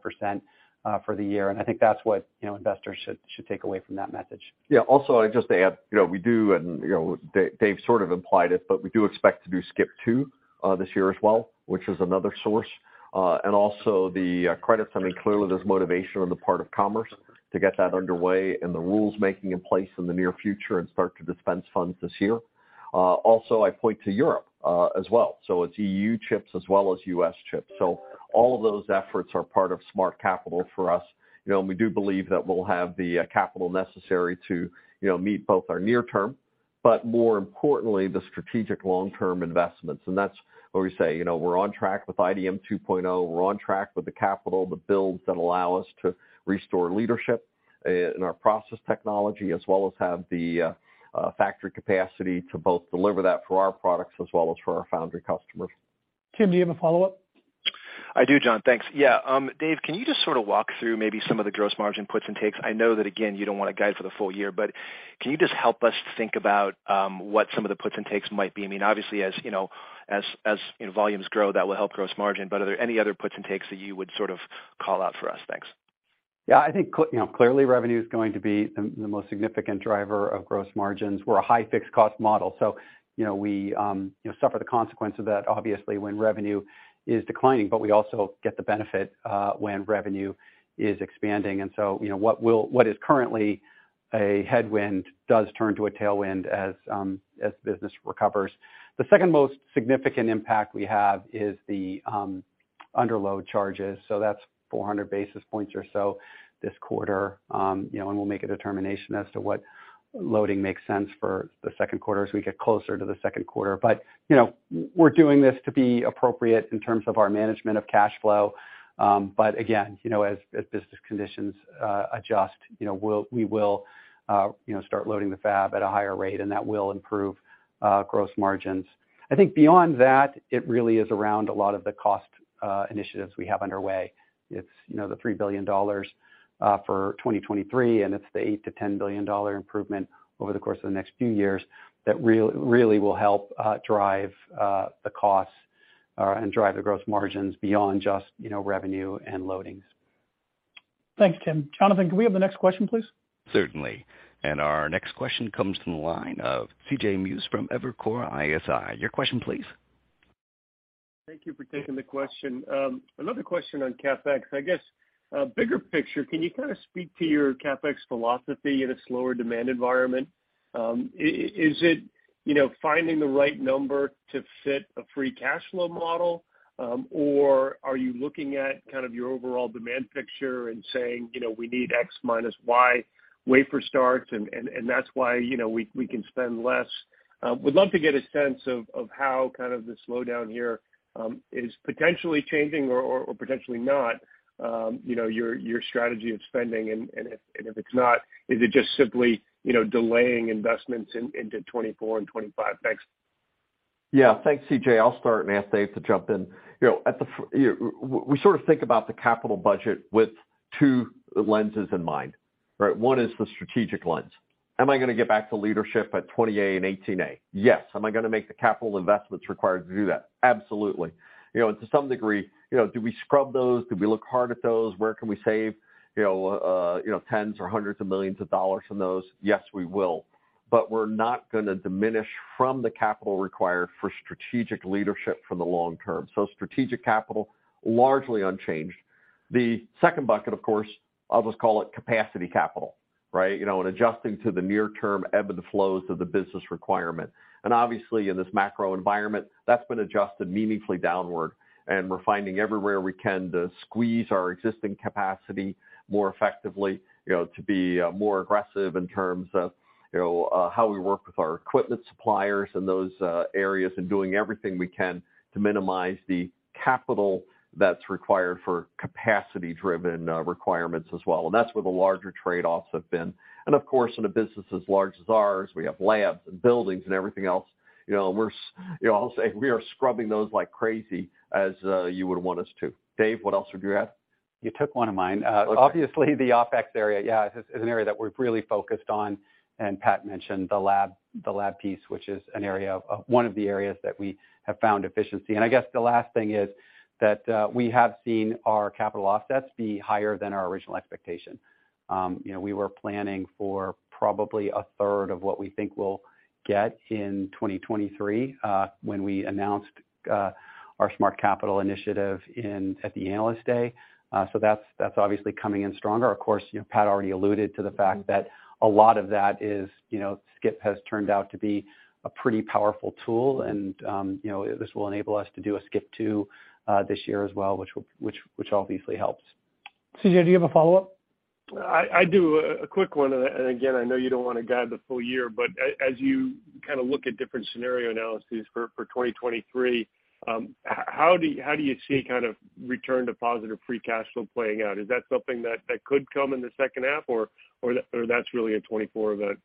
for the year. I think that's what, you know, investors should take away from that message. Yeah. Also, I just add, you know, we do, and, you know, Dave sort of implied it, but we do expect to do SCIP two, this year as well, which is another source. Also the credits. I mean, clearly there's motivation on the part of commerce to get that underway and the rules making in place in the near future and start to dispense funds this year. Also, I point to Europe as well, so it's EU chips as well as US chips. All of those efforts are part of Smart Capital for us, you know, and we do believe that we'll have the capital necessary to, you know, meet both our near term, but more importantly, the strategic long-term investments. That's where we say, you know, we're on track with IDM 2.0, we're on track with the capital, the builds that allow us to restore leadership in our process technology as well as have the factory capacity to both deliver that for our products as well as for our foundry customers. Tim, do you have a follow-up? I do, John. Thanks. Yeah. Dave, can you just sort of walk through maybe some of the gross margin puts and takes? I know that, again, you don't wanna guide for the full year, but can you just help us think about what some of the puts and takes might be? I mean, obviously, as you know, as volumes grow, that will help gross margin, but are there any other puts and takes that you would sort of call out for us? Thanks. I think you know, clearly revenue is going to be the most significant driver of gross margins. We're a high fixed cost model, you know, we suffer the consequence of that obviously when revenue is declining, but we also get the benefit when revenue is expanding. You know, what is currently a headwind does turn to a tailwind as business recovers. The 2nd most significant impact we have is the underload charges. That's 400 basis points or so this quarter. You know, and we'll make a determination as to what loading makes sense for the Q2 as we get closer to the Q2. You know, we're doing this to be appropriate in terms of our management of cash flow. Again, you know, as business conditions adjust, you know, we will start loading the fab at a higher rate, and that will improve gross margins. I think beyond that, it really is around a lot of the cost initiatives we have underway. It's the $3 billion for 2023, and it's the $8-$10 billion improvement over the course of the next few years that will help drive the costs and drive the growth margins beyond just revenue and loadings. Thanks, Tim. Jonathan, can we have the next question, please? Certainly. Our next question comes from the line of CJ Muse from Evercore ISI. Your question please. Thank you for taking the question. Another question on CapEx. I guess, bigger picture, can you kind of speak to your CapEx philosophy in a slower demand environment? Is it, you know, finding the right number to fit a free cash flow model? Or are you looking at kind of your overall demand picture and saying, you know, we need X minus Y wafer starts and that's why, you know, we can spend less? Would love to get a sense of how kind of the slowdown here is potentially changing or potentially not, you know, your strategy of spending and if it's not, is it just simply, you know, delaying investments into 2024 and 2025? Thanks. Yeah. Thanks, CJ I'll start and ask Dave to jump in. You know, we sort of think about the capital budget with two lenses in mind, right? One is the strategic lens. Am I gonna get back to leadership at 20A and 18A? Yes. Am I gonna make the capital investments required to do that? Absolutely. You know, and to some degree, do we scrub those? Do we look hard at those? Where can we save, you know, tens or hundreds of millions of dollars from those? Yes, we will. But we're not gonna diminish from the capital required for strategic leadership for the long term. Strategic capital, largely unchanged. The 2nd bucket, of course, I'll just call it capacity capital, right? You know, and adjusting to the near term ebb and flows of the business requirement. Obviously, in this macro environment, that's been adjusted meaningfully downward, and we're finding everywhere we can to squeeze our existing capacity more effectively, you know, to be more aggressive in terms of, you know, how we work with our equipment suppliers in those areas and doing everything we can to minimize the capital that's required for capacity-driven requirements as well. That's where the larger trade-offs have been. Of course, in a business as large as ours, we have labs and buildings and everything else, you know, I'll say we are scrubbing those like crazy, as you would want us to. Dave, what else would you add? You took one of mine. Obviously the OpEx area is an area that we're really focused on. Pat mentioned the lab piece, which is one of the areas that we have found efficiency. I guess the last thing is that we have seen our capital offsets be higher than our original expectation. You know, we were planning for probably a 3rd of what we think we'll get in 2023, when we announced our Smart Capital initiative at the Analyst Day. That's obviously coming in stronger. Of course, you know, Pat already alluded to the fact that a lot of that is, you know, Scip has turned out to be a pretty powerful tool. You know, this will enable us to do a Scip two, this year as well, which obviously helps. CJ, do you have a follow-up? I do. A quick one. Again, I know you don't wanna guide the full year, but as you kind a look at different scenario analyses for 2023, how do you see kind of return to positive free cash flow playing out? Is that something that could come in the 2nd half, or that's really a 2024 event?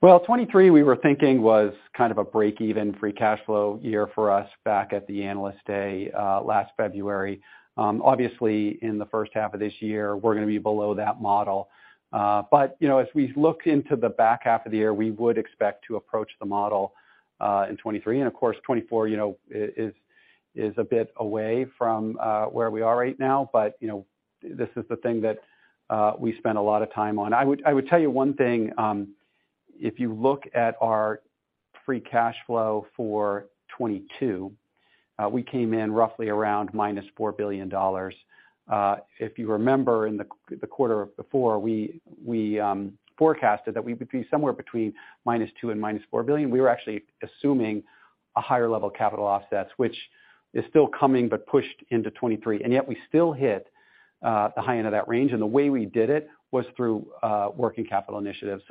Well, 2023 we were thinking was kind of a break-even free cash flow year for us back at the Investor Day last February. Obviously in the 1st half of this year, we're gonna be below that model. You know, as we look into the back half of the year, we would expect to approach the model in 2023. Of course, 2024, you know, is a bit away from where we are right now. You know, this is the thing that we spend a lot of time on. I would tell you one thing, if you look at our free cash flow for 2022, we came in roughly around -$4 billion. If you remember in the quarter before, we, forecasted that we would be somewhere between -$2 billion and -$4 billion. We were actually assuming a higher level of capital offsets, which is still coming but pushed into 2023, yet we still hit the high end of that range. The way we did it was through working capital initiatives.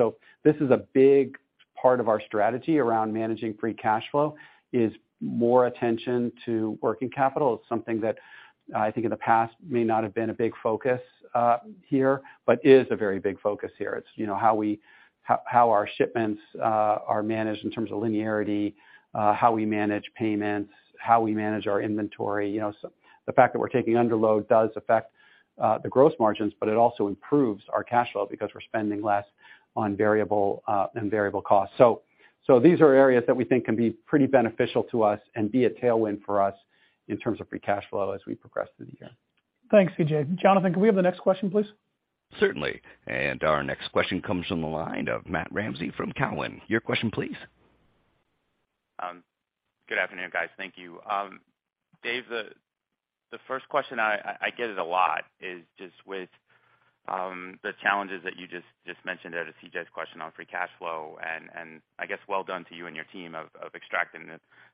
This is a big part of our strategy around managing free cash flow, is more attention to working capital. It's something that, I think in the past may not have been a big focus here, but is a very big focus here. It's, you know, how our shipments are managed in terms of linearity, how we manage payments, how we manage our inventory. You know, the fact that we're taking underload does affect the gross margins, but it also improves our cash flow because we're spending less on variable and variable costs. These are areas that we think can be pretty beneficial to us and be a tailwind for us in terms of free cash flow as we progress through the year. Thanks, CJ. Jonathan, can we have the next question, please? Certainly. Our next question comes from the line of Matthew Ramsay from Cowen. Your question, please. Good afternoon, guys. Thank you. Dave, the 1st question I get it a lot is just with the challenges that you just mentioned out of C.J.'s question on free cash flow, I guess well done to you and your team of extracting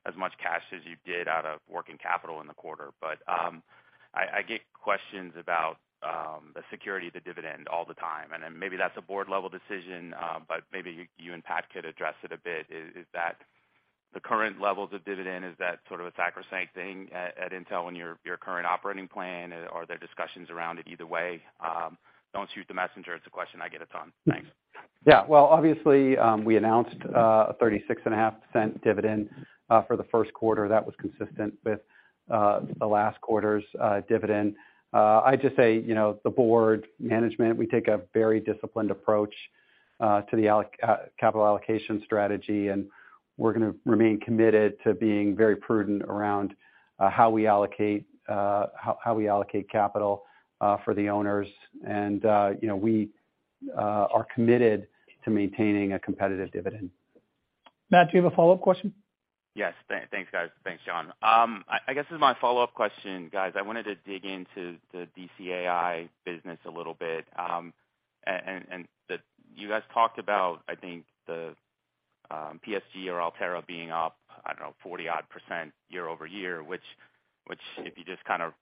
as much cash as you did out of working capital in the quarter. I get questions about the security of the dividend all the time, maybe that's a board-level decision, but maybe you and Pat could address it a bit. Is that the current levels of dividend, is that sort of a sacrosanct thing at Intel in your current operating plan? Are there discussions around it either way? Don't shoot the messenger, it's a question I get a ton. Thanks. Yeah. Well, obviously, we announced a $0.365 dividend for the Q1. That was consistent with the last quarter's dividend. I just say, you know, the board management, we take a very disciplined approach to the capital allocation strategy, and we're gonna remain committed to being very prudent around how we allocate capital for the owners. You know, we are committed to maintaining a competitive dividend. Matt, do you have a follow-up question? Yes. Thanks, guys. Thanks, John. I guess as my follow-up question, guys, I wanted to dig into the DCAI business a little bit. You guys talked about, I think, the PSG or Altera being up, I don't know, 40% year-over-year, which if you just kind of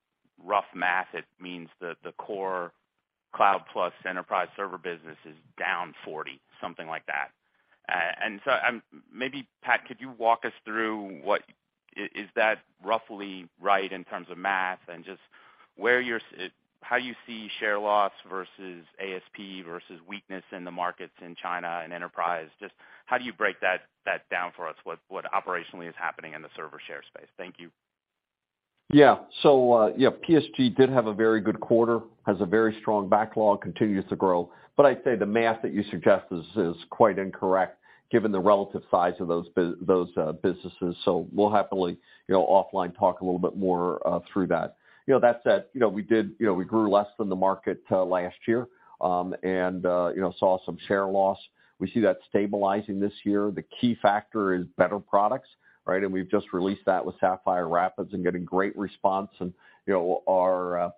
rough math it, means the core Cloud Plus enterprise server business is down 40, something like that. Maybe Pat, could you walk us through what is that roughly right in terms of math and just where you're how you see share loss versus ASP versus weakness in the markets in China and enterprise? Just how do you break that down for us, what operationally is happening in the server share space? Thank you. PSG did have a very good quarter, has a very strong backlog, continues to grow. I'd say the math that you suggest is quite incorrect. Given the relative size of those businesses. We'll happily, you know, offline talk a little bit more through that. You know, that said, we grew less than the market last year, and saw some share loss. We see that stabilizing this year. The key factor is better products, right? We've just released that with Sapphire Rapids and getting great response. You know, our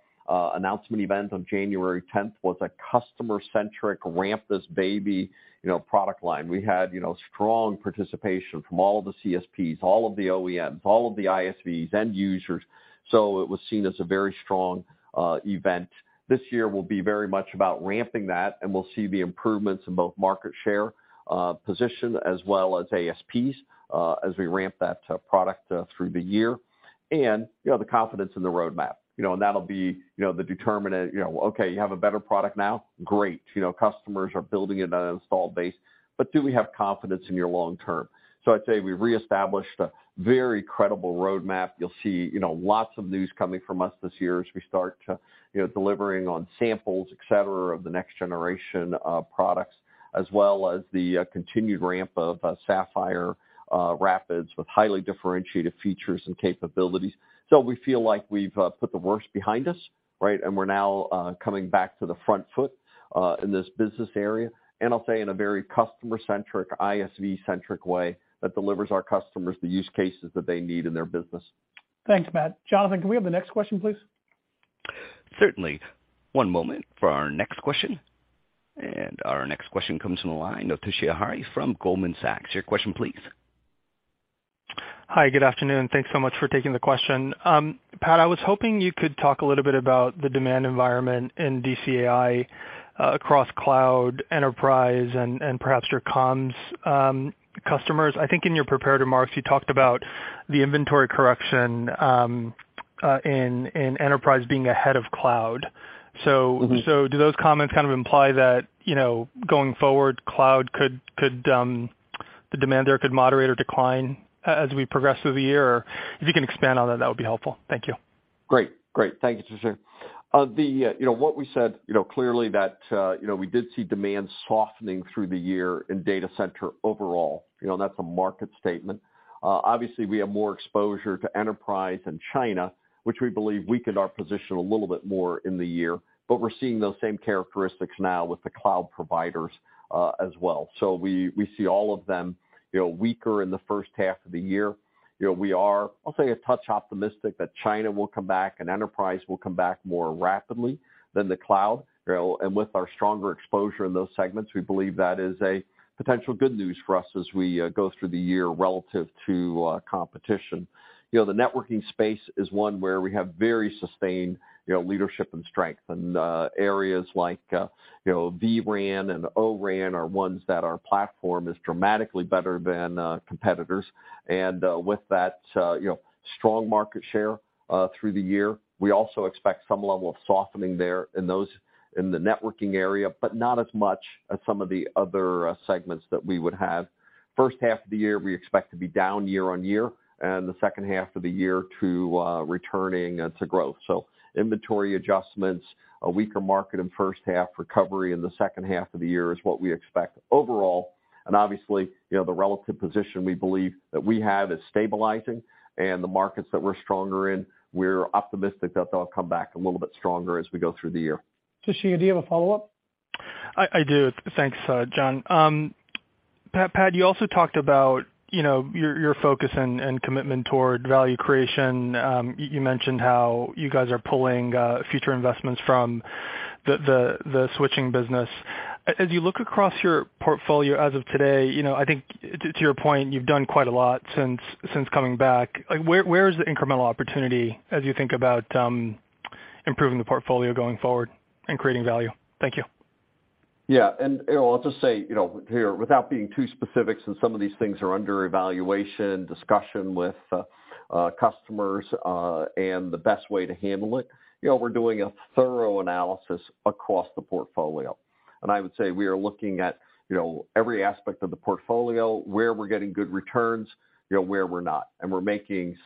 announcement event on January 10th was a customer-centric ramp this baby, you know, product line. We had, you know, strong participation from all of the CSPs, all of the OEMs, all of the ISVs, end users. It was seen as a very strong event. This year will be very much about ramping that, and we'll see the improvements in both market share position as well as ASPs as we ramp that product through the year. The confidence in the roadmap. You know, that'll be, you know, the determinant, you know, okay, you have a better product now, great. You know, customers are building it on an installed base. Do we have confidence in your long term? I'd say we reestablished a very credible roadmap. You'll see, you know, lots of news coming from us this year as we start, you know, delivering on samples, et cetera, of the next generation of products, as well as the continued ramp of Sapphire Rapids with highly differentiated features and capabilities. We feel like we've put the worst behind us, right? We're now coming back to the front foot in this business area, and I'll say in a very customer-centric, ISV-centric way that delivers our customers the use cases that they need in their business. Thanks, Matt. Jonathan, can we have the next question, please? Certainly. One moment for our next question. Our next question comes from the line of Toshiya Hari from Goldman Sachs. Your question please. Hi, good afternoon. Thanks so much for taking the question. Pat, I was hoping you could talk a little bit about the demand environment in DCAI across cloud enterprise and perhaps your comms, customers. I think in your prepared remarks, you talked about the inventory correction, in enterprise being ahead of cloud. Mm-hmm. Do those comments kind of imply that, you know, going forward, cloud could the demand there could moderate or decline as we progress through the year? If you can expand on that would be helpful. Thank you. Great. Thank you, Toshiya. You know, what we said, you know, clearly that, you know, we did see demand softening through the year in data center overall, you know, that's a market statement. Obviously, we have more exposure to enterprise in China, which we believe weakened our position a little bit more in the year, but we're seeing those same characteristics now with the cloud providers as well. We see all of them, you know, weaker in the 1st half of the year. You know, we are, I'll say, a touch optimistic that China will come back and enterprise will come back more rapidly than the cloud. You know, and with our stronger exposure in those segments, we believe that is a potential good news for us as we go through the year relative to competition. You know, the networking space is one where we have very sustained, you know, leadership and strength. Areas like, you know, vRAN and O-RAN are ones that our platform is dramatically better than competitors. With that, you know, strong market share through the year, we also expect some level of softening there in those in the networking area, but not as much as some of the other segments that we would have. 1st half of the year, we expect to be down year-on-year, and the 2nd half of the year to, returning to growth. Inventory adjustments, a weaker market in 1st half, recovery in the 2nd half of the year is what we expect overall. Obviously, you know, the relative position we believe that we have is stabilizing and the markets that we're stronger in, we're optimistic that they'll come back a little bit stronger as we go through the year. Tushar, do you have a follow-up? I do. Thanks, John. Pat, you also talked about, you know, your focus and commitment toward value creation. You mentioned how you guys are pulling future investments from the switching business. As you look across your portfolio as of today, you know, I think to your point, you've done quite a lot since coming back. Like, where is the incremental opportunity as you think about improving the portfolio going forward and creating value? Thank you. Yeah. you know, I'll just say, you know, here, without being too specific, since some of these things are under evaluation, discussion with customers, and the best way to handle it, you know, we're doing a thorough analysis across the portfolio. I would say we are looking at, you know, every aspect of the portfolio, where we're getting good returns, you know, where we're not, and we're making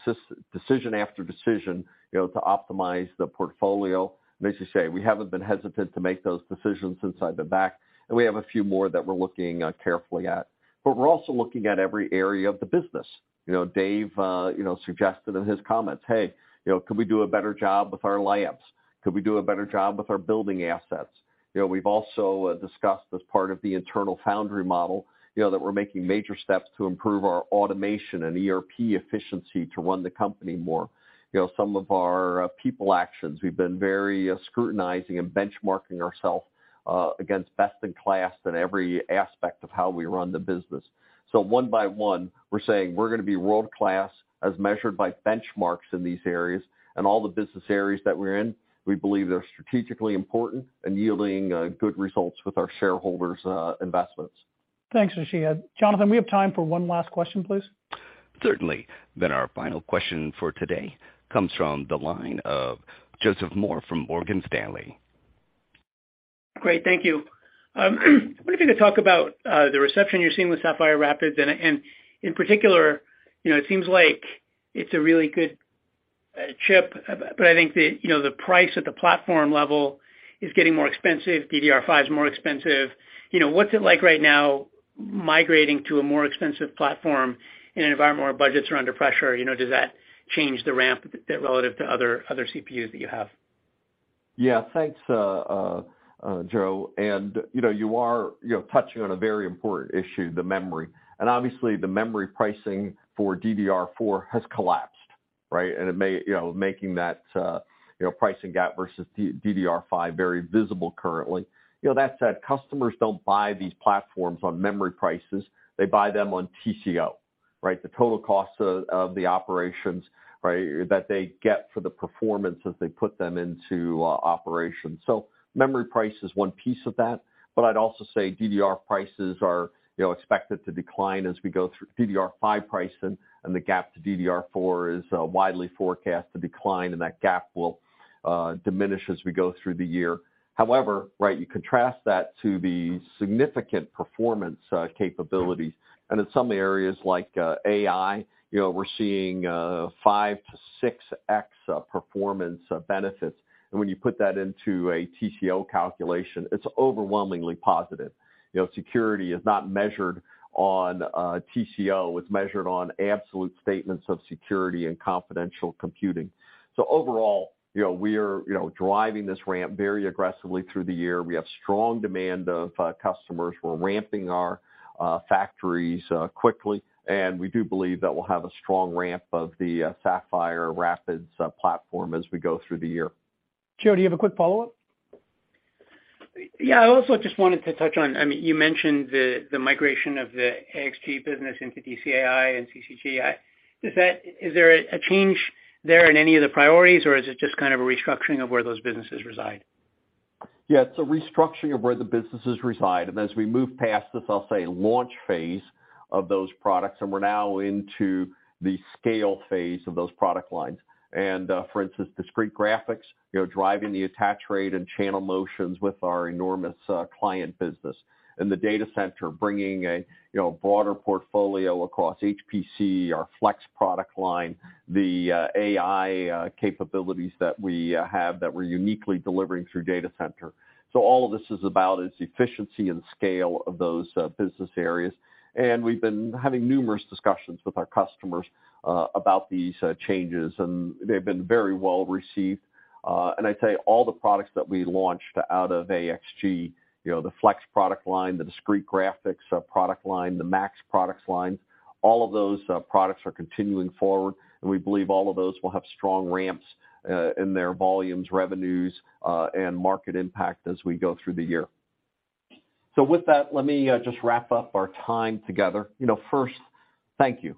decision after decision, you know, to optimize the portfolio. As you say, we haven't been hesitant to make those decisions since I've been back, and we have a few more that we're looking carefully at. We're also looking at every area of the business. You know, Dave, you know, suggested in his comments, Hey, you know, could we do a better job with our layups? Could we do a better job with our building assets? You know, we've also discussed as part of the internal foundry model, you know, that we're making major steps to improve our automation and ERP efficiency to run the company more. You know, some of our people actions, we've been very scrutinizing and benchmarking ourselves against best in class in every aspect of how we run the business. One by one, we're saying we're going to be world-class as measured by benchmarks in these areas and all the business areas that we're in, we believe they're strategically important and yielding good results with our shareholders' investments. Thanks, Tushar. Jonathan, we have time for one last question, please. Certainly. Our final question for today comes from the line of Joseph Moore from Morgan Stanley. Great, thank you. Wanted you to talk about the reception you're seeing with Sapphire Rapids. In particular, you know, it seems like it's a really good-A chip, I think the, you know, the price at the platform level is getting more expensive. DDR5 is more expensive. You know, what's it like right now migrating to a more expensive platform in an environment where budgets are under pressure? You know, does that change the ramp relative to other CPUs that you have? Yeah. Thanks, Joe. You know, you are, you know, touching on a very important issue, the memory. Obviously the memory pricing for DDR4 has collapsed, right? It may, you know, making that, you know, pricing gap versus DDR5 very visible currently. You know, that said, customers don't buy these platforms on memory prices. They buy them on TCO, right? The total cost of the operations, right, that they get for the performance as they put them into operation. Memory price is one piece of that, but I'd also say DDR5 pricing and the gap to DDR4 is widely forecast to decline, and that gap will diminish as we go through the year. However, right, you contrast that to the significant performance, capabilities, and in some areas like AI, you know, we're seeing, 5 to 6x of performance of benefits. When you put that into a TCO calculation, it's overwhelmingly positive. You know, security is not measured on TCO. It's measured on absolute statements of security and confidential computing. Overall, you know, we are, you know, driving this ramp very aggressively through the year. We have strong demand of customers. We're ramping our factories quickly, and we do believe that we'll have a strong ramp of the Sapphire Rapids platform as we go through the year. Joe, do you have a quick follow-up? Yeah. I also just wanted to touch on, I mean, you mentioned the migration of the AXG business into DCAI and CCGI. Is there a change there in any of the priorities, or is it just kind of a restructuring of where those businesses reside? Yeah. It's a restructuring of where the businesses reside. As we move past this, I'll say, launch phase of those products, and we're now into the scale phase of those product lines. For instance, discrete graphics, you know, driving the attach rate and channel motions with our enormous client business. In the data center, bringing a, you know, broader portfolio across HPC, our flex product line, the AI capabilities that we have that we're uniquely delivering through data center. All of this is about is efficiency and scale of those business areas. We've been having numerous discussions with our customers about these changes, and they've been very well received. I'd say all the products that we launched out of AXG, you know, the flex product line, the discrete graphics product line, the max products line, all of those products are continuing forward, and we believe all of those will have strong ramps in their volumes, revenues, and market impact as we go through the year. With that, let me just wrap up our time together. You know, 1st, thank you.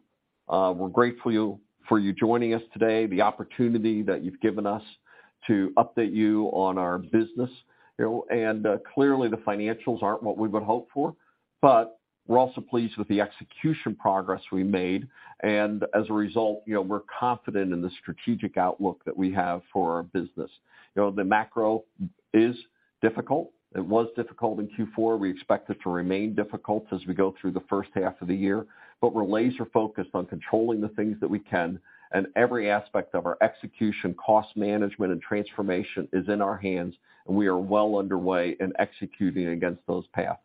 We're grateful for you joining us today, the opportunity that you've given us to update you on our business. You know, clearly the financials aren't what we would hope for, but we're also pleased with the execution progress we made. As a result, you know, we're confident in the strategic outlook that we have for our business. You know, the macro is difficult. It was difficult in Q4. We expect it to remain difficult as we go through the 1st half of the year. We're laser-focused on controlling the things that we can and every aspect of our execution, cost management, and transformation is in our hands. We are well underway in executing against those paths.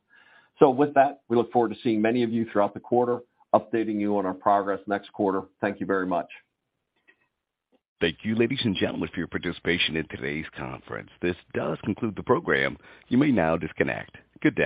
With that, we look forward to seeing many of you throughout the quarter, updating you on our progress next quarter. Thank you very much. Thank you, ladies and gentlemen, for your participation in today's conference. This does conclude the program. You may now disconnect. Goodbye.